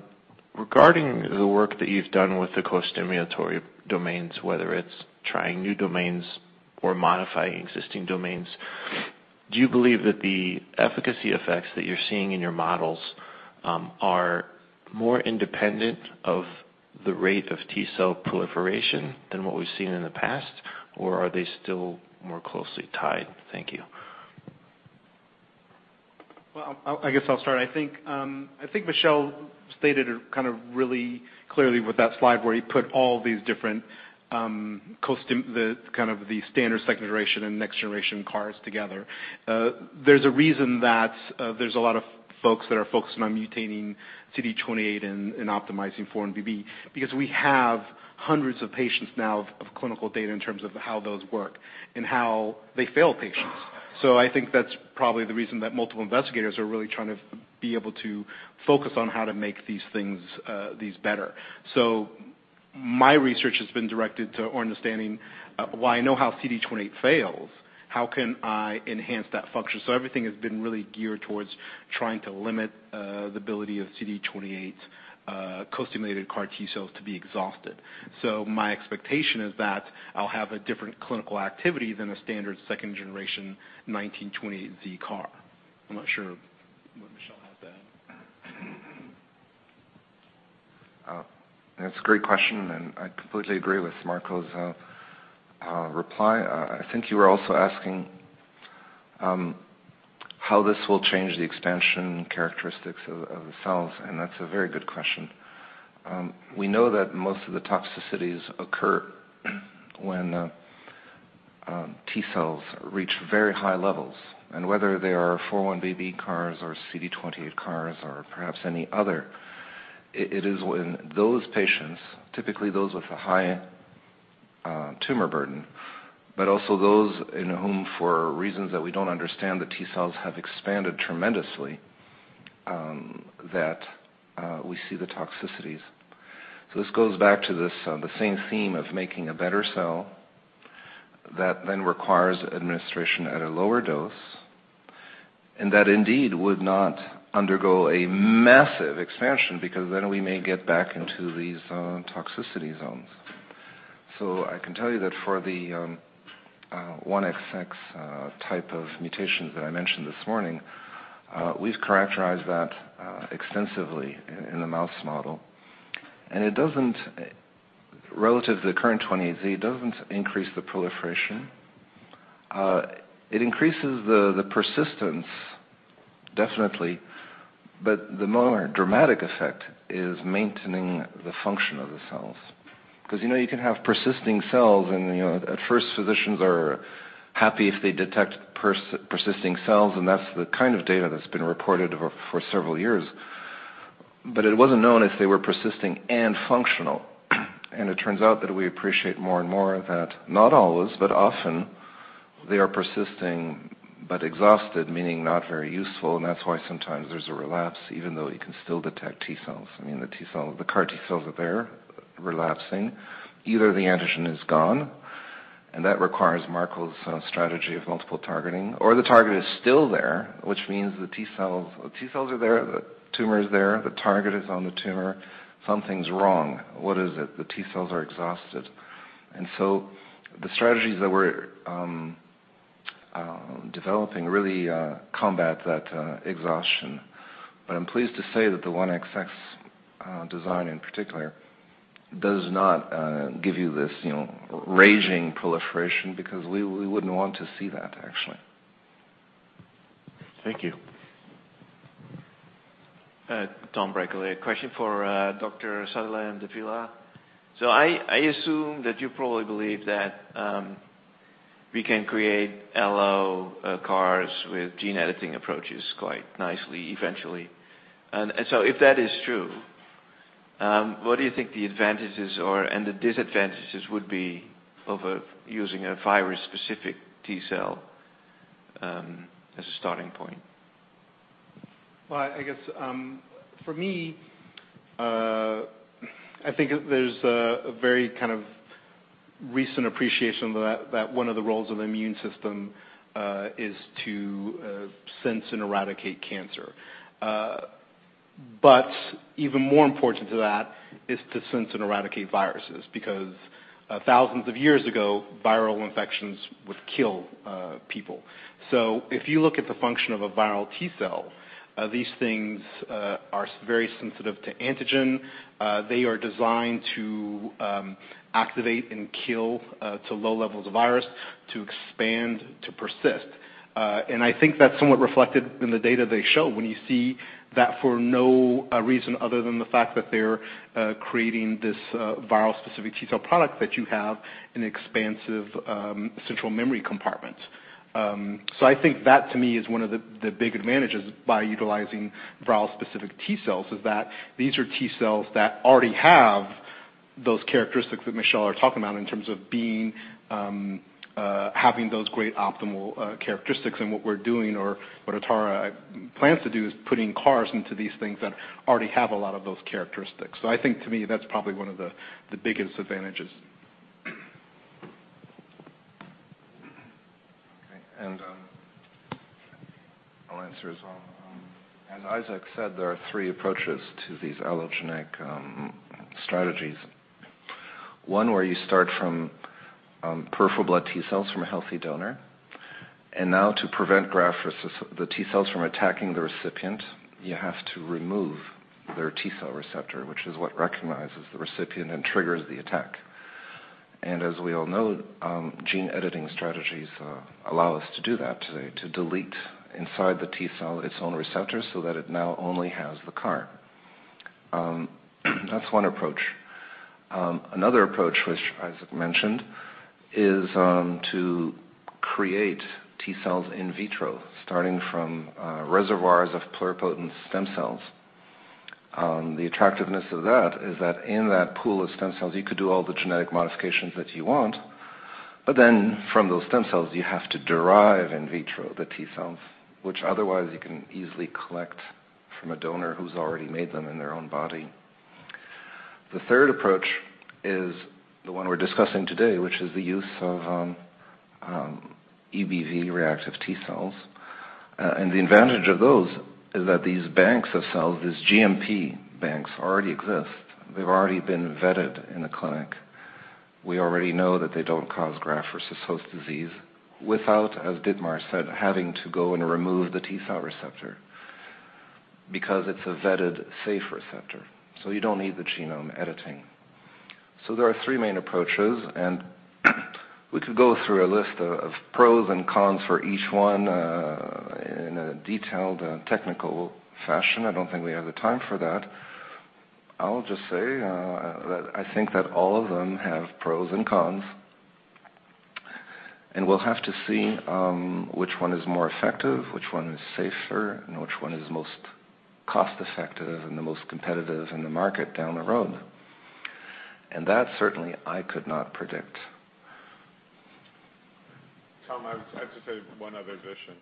regarding the work that you've done with the costimulatory domains, whether it's trying new domains or modifying existing domains, do you believe that the efficacy effects that you're seeing in your models are more independent of the rate of T-cell proliferation than what we've seen in the past, or are they still more closely tied? Thank you. Well, I guess I'll start. I think Michel stated really clearly with that slide where he put all these different, the standard second generation and next generation CARs together. There's a reason that there's a lot of folks that are focusing on mutating CD28 and optimizing 4-1BB, because we have hundreds of patients now of clinical data in terms of how those work and how they fail patients. I think that's probably the reason that multiple investigators are really trying to be able to focus on how to make these better. My research has been directed to understanding why I know how CD28 fails, how can I enhance that function? Everything has been really geared towards trying to limit the ability of CD28 costimulated CAR T-cells to be exhausted. My expectation is that I'll have a different clinical activity than a standard second generation 1928Z CAR. I'm not sure what Michel has there. That's a great question. I completely agree with Marco's reply. I think you were also asking how this will change the expansion characteristics of the cells, and that's a very good question. We know that most of the toxicities occur when T cells reach very high levels. Whether they are 4-1BB CARs or CD28 CARs or perhaps any other, it is when those patients, typically those with a high tumor burden, but also those in whom for reasons that we don't understand, the T cells have expanded tremendously, that we see the toxicities. This goes back to the same theme of making a better cell that then requires administration at a lower dose. That indeed would not undergo a massive expansion because then we may get back into these toxicity zones. I can tell you that for the 1XX type of mutations that I mentioned this morning, we've characterized that extensively in the mouse model. Relative to the current 28Z, it doesn't increase the proliferation. It increases the persistence, definitely. The more dramatic effect is maintaining the function of the cells. You can have persisting cells, and at first physicians are happy if they detect persisting cells, and that's the kind of data that's been reported for several years. It wasn't known if they were persisting and functional. It turns out that we appreciate more and more that not always, but often they are persisting but exhausted, meaning not very useful. That's why sometimes there's a relapse, even though you can still detect T cells. The CAR T cells are there relapsing. Either the antigen is gone, and that requires Marco's strategy of multiple targeting, or the target is still there, which means the T cells are there, the tumor is there, the target is on the tumor. Something's wrong. What is it? The T cells are exhausted. The strategies that we're developing really combat that exhaustion. I'm pleased to say that the 1XX design in particular, does not give you this raging proliferation, because we wouldn't want to see that, actually. Thank you. Thomas Brakel here. Question for Dr. Sadelain and Davila. I assume that you probably believe that we can create allo CARs with gene editing approaches quite nicely eventually. If that is true, what do you think the advantages and the disadvantages would be of using a virus-specific T cell as a starting point? I guess for me, I think there's a very recent appreciation that one of the roles of the immune system is to sense and eradicate cancer. Even more important to that is to sense and eradicate viruses, because thousands of years ago, viral infections would kill people. If you look at the function of a viral T cell, these things are very sensitive to antigen. They are designed to activate and kill to low levels of virus, to expand, to persist. I think that's somewhat reflected in the data they show when you see that for no reason other than the fact that they're creating this viral-specific T cell product that you have an expansive central memory compartment. I think that to me is one of the big advantages by utilizing viral-specific T cells, is that these are T cells that already have those characteristics that Michel are talking about in terms of having those great optimal characteristics. What we're doing, or what Atara plans to do, is putting CARs into these things that already have a lot of those characteristics. I think to me, that's probably one of the biggest advantages. Okay. I'll answer as well. As Isaac said, there are three approaches to these allogeneic strategies. One where you start from peripheral blood T cells from a healthy donor. Now to prevent the T cells from attacking the recipient, you have to remove their T cell receptor, which is what recognizes the recipient and triggers the attack. As we all know, gene editing strategies allow us to do that today, to delete inside the T cell its own receptor so that it now only has the CAR. That's one approach. Another approach, which Isaac mentioned, is to create T cells in vitro, starting from reservoirs of pluripotent stem cells. The attractiveness of that is that in that pool of stem cells, you could do all the genetic modifications that you want, but then from those stem cells, you have to derive in vitro the T cells, which otherwise you can easily collect from a donor who's already made them in their own body. The third approach is the one we're discussing today, which is the use of EBV-reactive T cells. The advantage of those is that these banks of cells, these GMP banks, already exist. They've already been vetted in the clinic. We already know that they don't cause graft-versus-host disease without, as Dietmar said, having to go and remove the T-cell receptor, because it's a vetted safe receptor, so you don't need the genome editing. There are three main approaches, and we could go through a list of pros and cons for each one in a detailed technical fashion. I don't think we have the time for that. I'll just say that I think that all of them have pros and cons, and we'll have to see which one is more effective, which one is safer, and which one is most cost-effective and the most competitive in the market down the road. That, certainly, I could not predict. Tom, I have to say one other addition.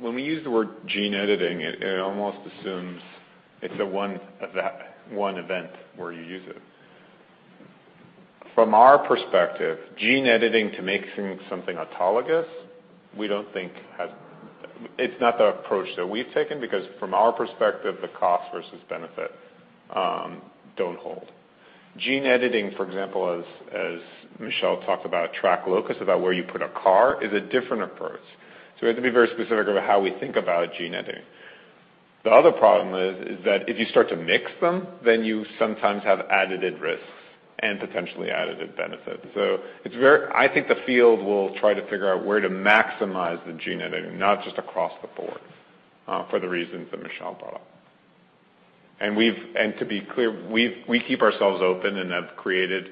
When we use the word gene editing, it almost assumes it's one event where you use it. From our perspective, gene editing to make something autologous, it's not the approach that we've taken because from our perspective, the cost versus benefit don't hold. Gene editing, for example, as Michelle talked about, TRAC locus, about where you put a CAR, is a different approach. We have to be very specific about how we think about gene editing. The other problem is that if you start to mix them, then you sometimes have additive risks and potentially additive benefits. I think the field will try to figure out where to maximize the gene editing, not just across the board, for the reasons that Michelle brought up. To be clear, we keep ourselves open and have created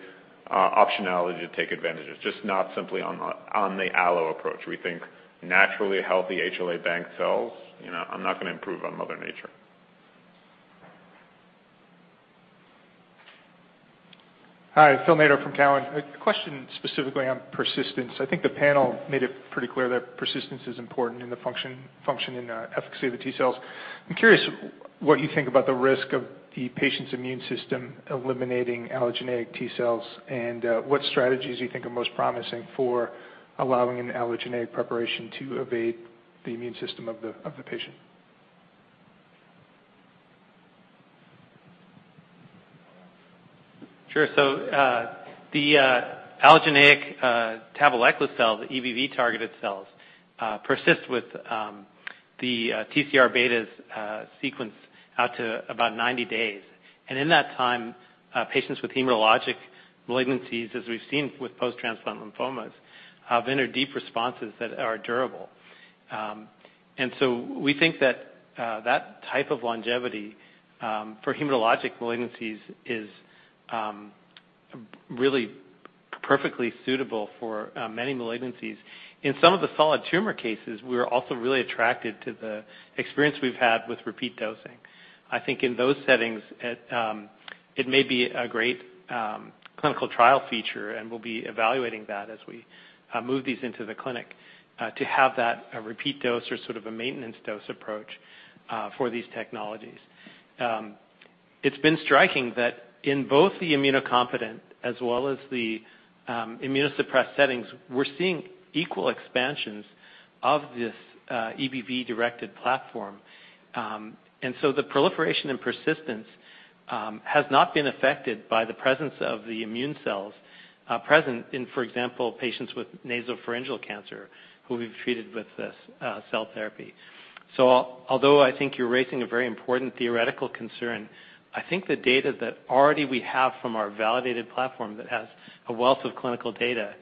optionality to take advantages, just not simply on the allo approach. We think naturally healthy HLA banked cells, I'm not going to improve on mother nature. Hi, Phil Nadeau from Cowen. A question specifically on persistence. I think the panel made it pretty clear that persistence is important in the function and efficacy of the T cells. I'm curious what you think about the risk of the patient's immune system eliminating allogeneic T cells, and what strategies you think are most promising for allowing an allogeneic preparation to evade the immune system of the patient? Sure. The allogeneic tabelecleucel cells, the EBV-targeted cells, persist with the TCR betas sequence out to about 90 days. In that time, patients with hematologic malignancies, as we've seen with post-transplant lymphomas, have entered deep responses that are durable. We think that type of longevity for hematologic malignancies is really perfectly suitable for many malignancies. In some of the solid tumor cases, we're also really attracted to the experience we've had with repeat dosing. I think in those settings, it may be a great clinical trial feature, and we'll be evaluating that as we move these into the clinic, to have that repeat dose or sort of a maintenance dose approach for these technologies. It's been striking that in both the immunocompetent as well as the immunosuppressed settings, we're seeing equal expansions of this EBV-directed platform. The proliferation and persistence has not been affected by the presence of the immune cells present in, for example, patients with nasopharyngeal cancer who we've treated with this cell therapy. Although I think you're raising a very important theoretical concern, I think the data that already we have from our validated platform that has a wealth of clinical data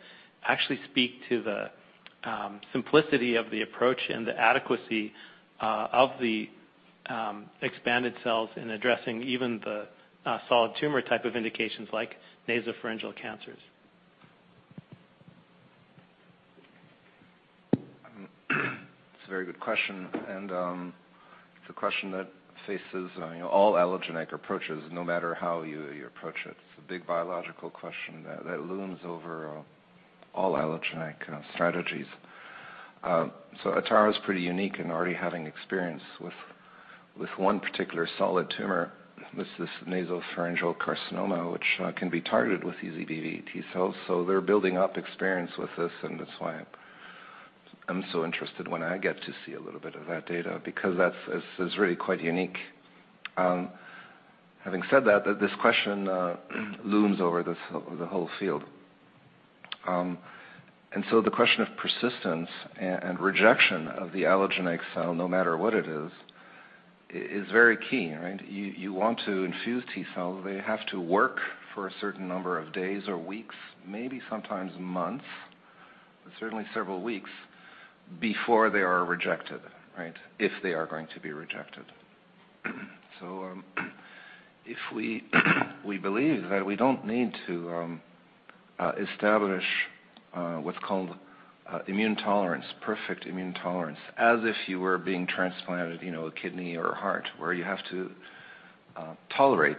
actually speak to the simplicity of the approach and the adequacy of the expanded cells in addressing even the solid tumor type of indications like nasopharyngeal cancers. It's a very good question, and it's a question that faces all allogeneic approaches, no matter how you approach it. It's a big biological question that looms over all allogeneic strategies. Atara's pretty unique in already having experience with one particular solid tumor. This is nasopharyngeal carcinoma, which can be targeted with these EBV T cells. They're building up experience with this, and that's why I'm so interested when I get to see a little bit of that data, because that is really quite unique. Having said that, this question looms over the whole field. The question of persistence and rejection of the allogeneic cell, no matter what it is very key, right? You want to infuse T cells. They have to work for a certain number of days or weeks, maybe sometimes months, but certainly several weeks, before they are rejected, right? If they are going to be rejected. If we believe that we don't need to establish what's called immune tolerance, perfect immune tolerance, as if you were being transplanted a kidney or a heart, where you have to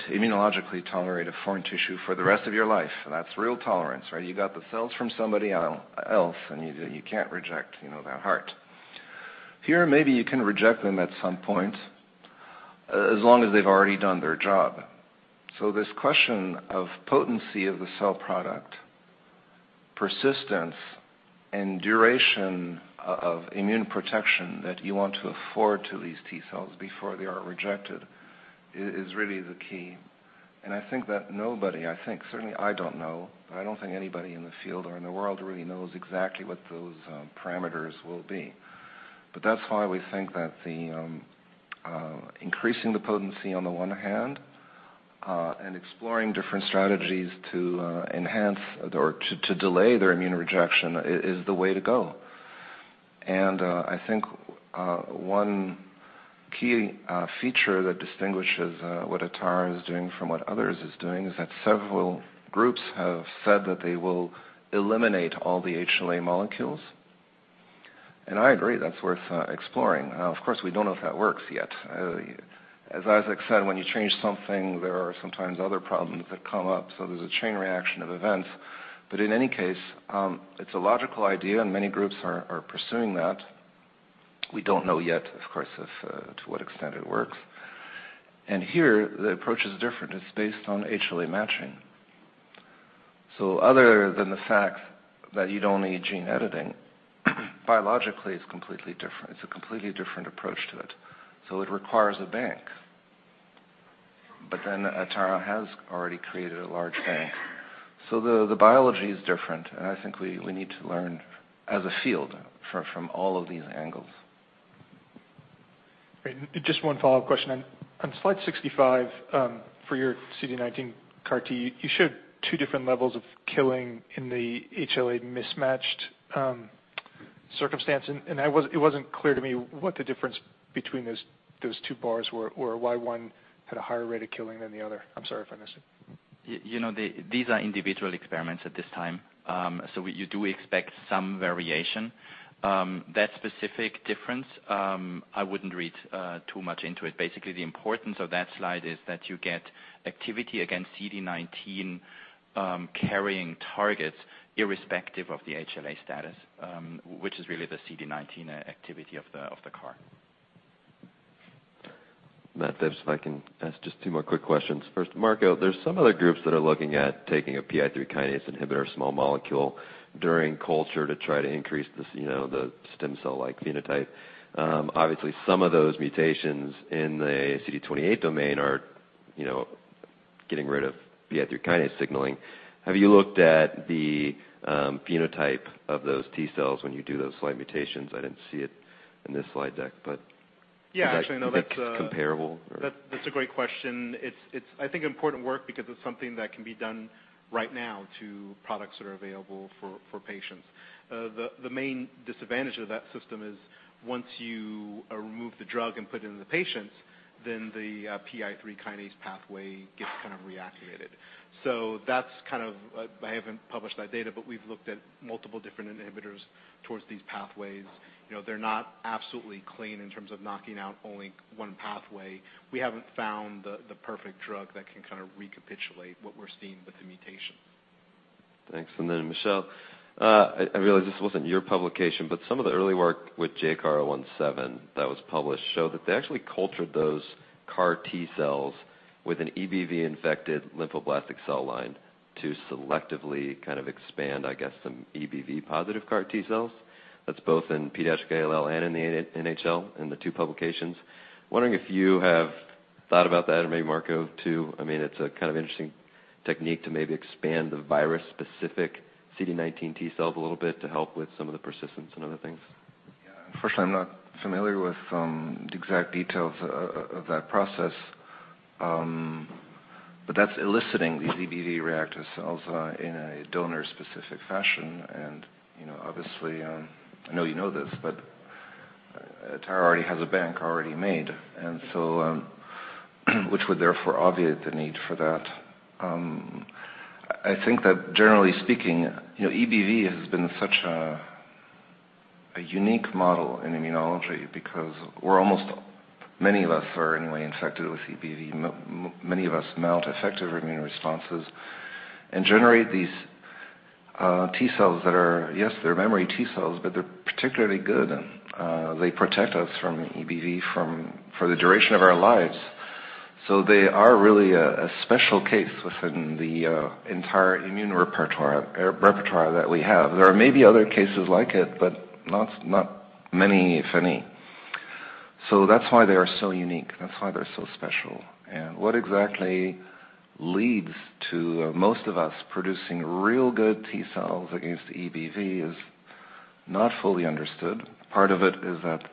immunologically tolerate a foreign tissue for the rest of your life. That's real tolerance, right? You got the cells from somebody else, and you can't reject that heart. Here, maybe you can reject them at some point, as long as they've already done their job. This question of potency of the cell product, persistence, and duration of immune protection that you want to afford to these T cells before they are rejected is really the key, and I think that nobody, certainly I don't know, but I don't think anybody in the field or in the world really knows exactly what those parameters will be. That's why we think that increasing the potency on the one hand, and exploring different strategies to enhance or to delay their immune rejection is the way to go. I think one key feature that distinguishes what Atara is doing from what others is doing is that several groups have said that they will eliminate all the HLA molecules. I agree, that's worth exploring. Of course, we don't know if that works yet. As Isaac said, when you change something, there are sometimes other problems that come up, so there's a chain reaction of events. In any case, it's a logical idea, and many groups are pursuing that. We don't know yet, of course, to what extent it works. Here the approach is different. It's based on HLA matching. Other than the fact that you don't need gene editing, biologically, it's completely different. It's a completely different approach to it. It requires a bank. Atara has already created a large bank. The biology is different, and I think we need to learn as a field from all of these angles. Great. Just one follow-up question. On slide 65, for your CD19 CAR T, you showed two different levels of killing in the HLA mismatched circumstance, and it wasn't clear to me what the difference between those two bars were, or why one had a higher rate of killing than the other. I'm sorry if I missed it. These are individual experiments at this time. You do expect some variation. That specific difference, I wouldn't read too much into it. Basically, the importance of that slide is that you get activity against CD19-carrying targets irrespective of the HLA status, which is really the CD19 activity of the CAR. Matt Dibb, if I can ask just two more quick questions. First, Marco, there's some other groups that are looking at taking a PI3K inhibitor small molecule during culture to try to increase the stem cell-like phenotype. Obviously, some of those mutations in the CD28 domain are getting rid of PI3K signaling. Have you looked at the phenotype of those T cells when you do those slight mutations? I didn't see it in this slide deck. Yeah. Actually, no. do you think comparable or? That's a great question. It's, I think, important work because it's something that can be done right now to products that are available for patients. The main disadvantage of that system is once you remove the drug and put it into the patients, then the PI3K pathway gets kind of reactivated. I haven't published that data, but we've looked at multiple different inhibitors towards these pathways. They're not absolutely clean in terms of knocking out only one pathway. We haven't found the perfect drug that can kind of recapitulate what we're seeing with the mutation. Thanks. Michel, I realize this wasn't your publication, but some of the early work with JCAR017 that was published show that they actually cultured those CAR T cells with an EBV-infected lymphoblastic cell line to selectively expand, I guess, some EBV positive CAR T cells. That's both in pediatric ALL and in the NHL in the two publications. Wondering if you have thought about that or maybe Marco, too. It's a kind of interesting technique to maybe expand the virus specific CD19 T cells a little bit to help with some of the persistence and other things. Yeah. Unfortunately, I'm not familiar with the exact details of that process. That's eliciting these EBV reactive cells in a donor specific fashion and obviously, I know you know this, but Atara already has a bank already made, which would therefore obviate the need for that. I think that generally speaking, EBV has been such a unique model in immunology because we're almost, many of us are anyway, infected with EBV. Many of us mount effective immune responses and generate these T cells that are, yes, they're memory T cells, but they're particularly good and they protect us from EBV for the duration of our lives. They are really a special case within the entire immune repertoire that we have. There are maybe other cases like it, but not many if any. That's why they are so unique. That's why they are so special. What exactly leads to most of us producing real good T cells against EBV is not fully understood. Part of it is that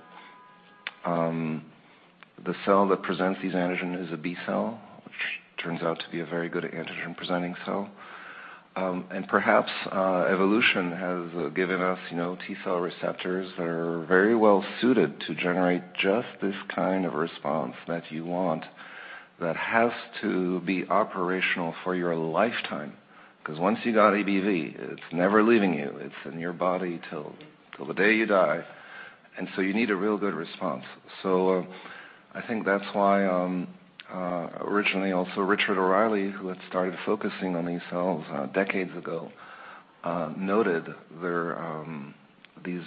the cell that presents this antigen is a B cell, which turns out to be a very good antigen presenting cell. Perhaps evolution has given us T cell receptors that are very well suited to generate just this kind of response that you want, that has to be operational for your lifetime, because once you've got EBV, it's never leaving you. It's in your body till the day you die, you need a real good response. I think that's why originally also Richard O'Reilly, who had started focusing on these cells decades ago, noted these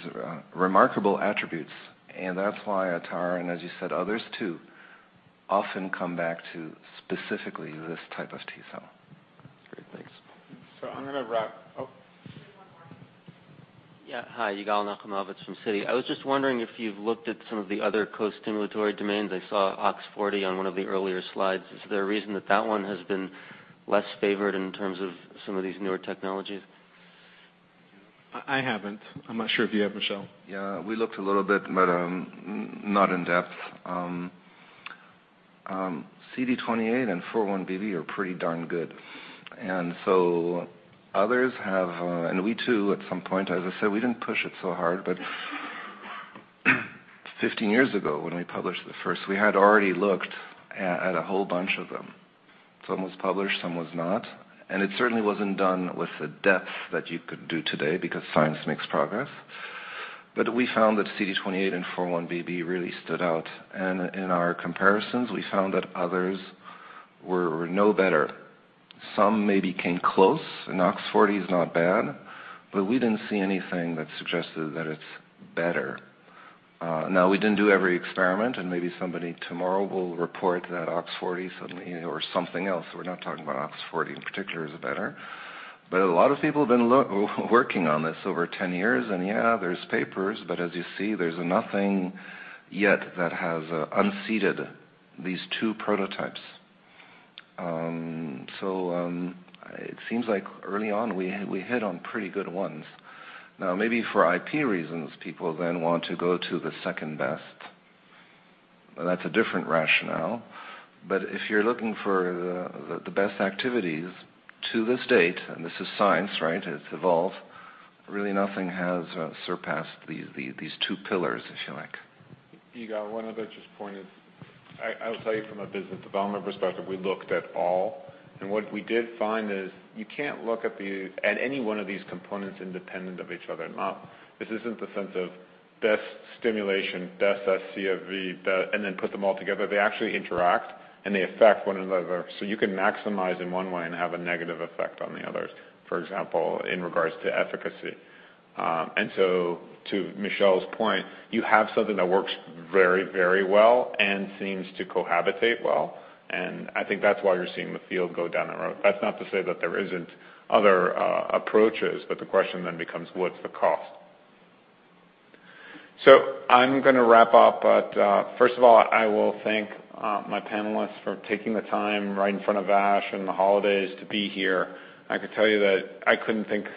remarkable attributes, and that's why Atara, and as you said, others too, often come back to specifically this type of T cell. Great. Thanks. I'm going to wrap Oh. Just one more. Yeah. Hi, Yigal Nochomovitz from Citi. I was just wondering if you've looked at some of the other costimulatory domains. I saw OX40 on one of the earlier slides. Is there a reason that that one has been less favored in terms of some of these newer technologies? I haven't. I'm not sure if you have, Michel. Yeah, we looked a little bit, but not in depth. CD28 and 4-1BB are pretty darn good. Others have, and we too, at some point, as I said, we didn't push it so hard, but 15 years ago when we published the first, we had already looked at a whole bunch of them. Some was published, some was not, and it certainly wasn't done with the depth that you could do today because science makes progress. We found that CD28 and 4-1BB really stood out, and in our comparisons, we found that others were no better. Some maybe came close, and OX40 is not bad, but we didn't see anything that suggested that it's better. We didn't do every experiment, and maybe somebody tomorrow will report that OX40 suddenly or something else, we're not talking about OX40 in particular is better. A lot of people have been working on this over 10 years, and yeah, there's papers, as you see, there's nothing yet that has unseated these two prototypes. It seems like early on we hit on pretty good ones. Maybe for IP reasons, people then want to go to the second-best. That's a different rationale. If you're looking for the best activities to this date, and this is science, right? It's evolved, really nothing has surpassed these two pillars, if you like. Igor, one other point. I will tell you from a business development perspective, we looked at all, and what we did find is you can't look at any one of these components independent of each other. This isn't the sense of best stimulation, best scFv, and then put them all together. They actually interact, and they affect one another. You can maximize in one way and have a negative effect on the others. For example, in regards to efficacy. To Michelle's point, you have something that works very well and seems to cohabitate well, and I think that's why you're seeing the field go down that road. That's not to say that there isn't other approaches, but the question then becomes what's the cost? I'm going to wrap up. First of all, I will thank my panelists for taking the time right in front of ASH and the holidays to be here. I could tell you that I couldn't think, as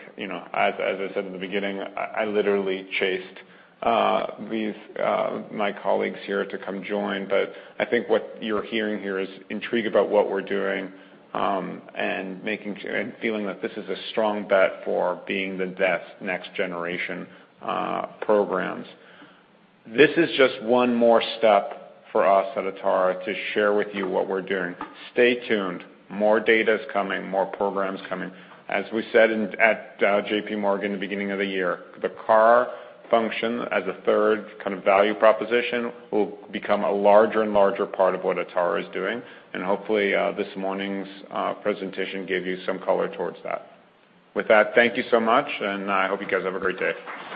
I said in the beginning, I literally chased my colleagues here to come join. I think what you're hearing here is intrigue about what we're doing, and feeling that this is a strong bet for being the best next generation programs. This is just one more step for us at Atara to share with you what we're doing. Stay tuned. More data is coming, more programs coming. As we said at JPMorgan at the beginning of the year, the CAR function as a third kind of value proposition will become a larger and larger part of what Atara is doing, and hopefully, this morning's presentation gave you some color towards that. With that, thank you so much, and I hope you guys have a great day.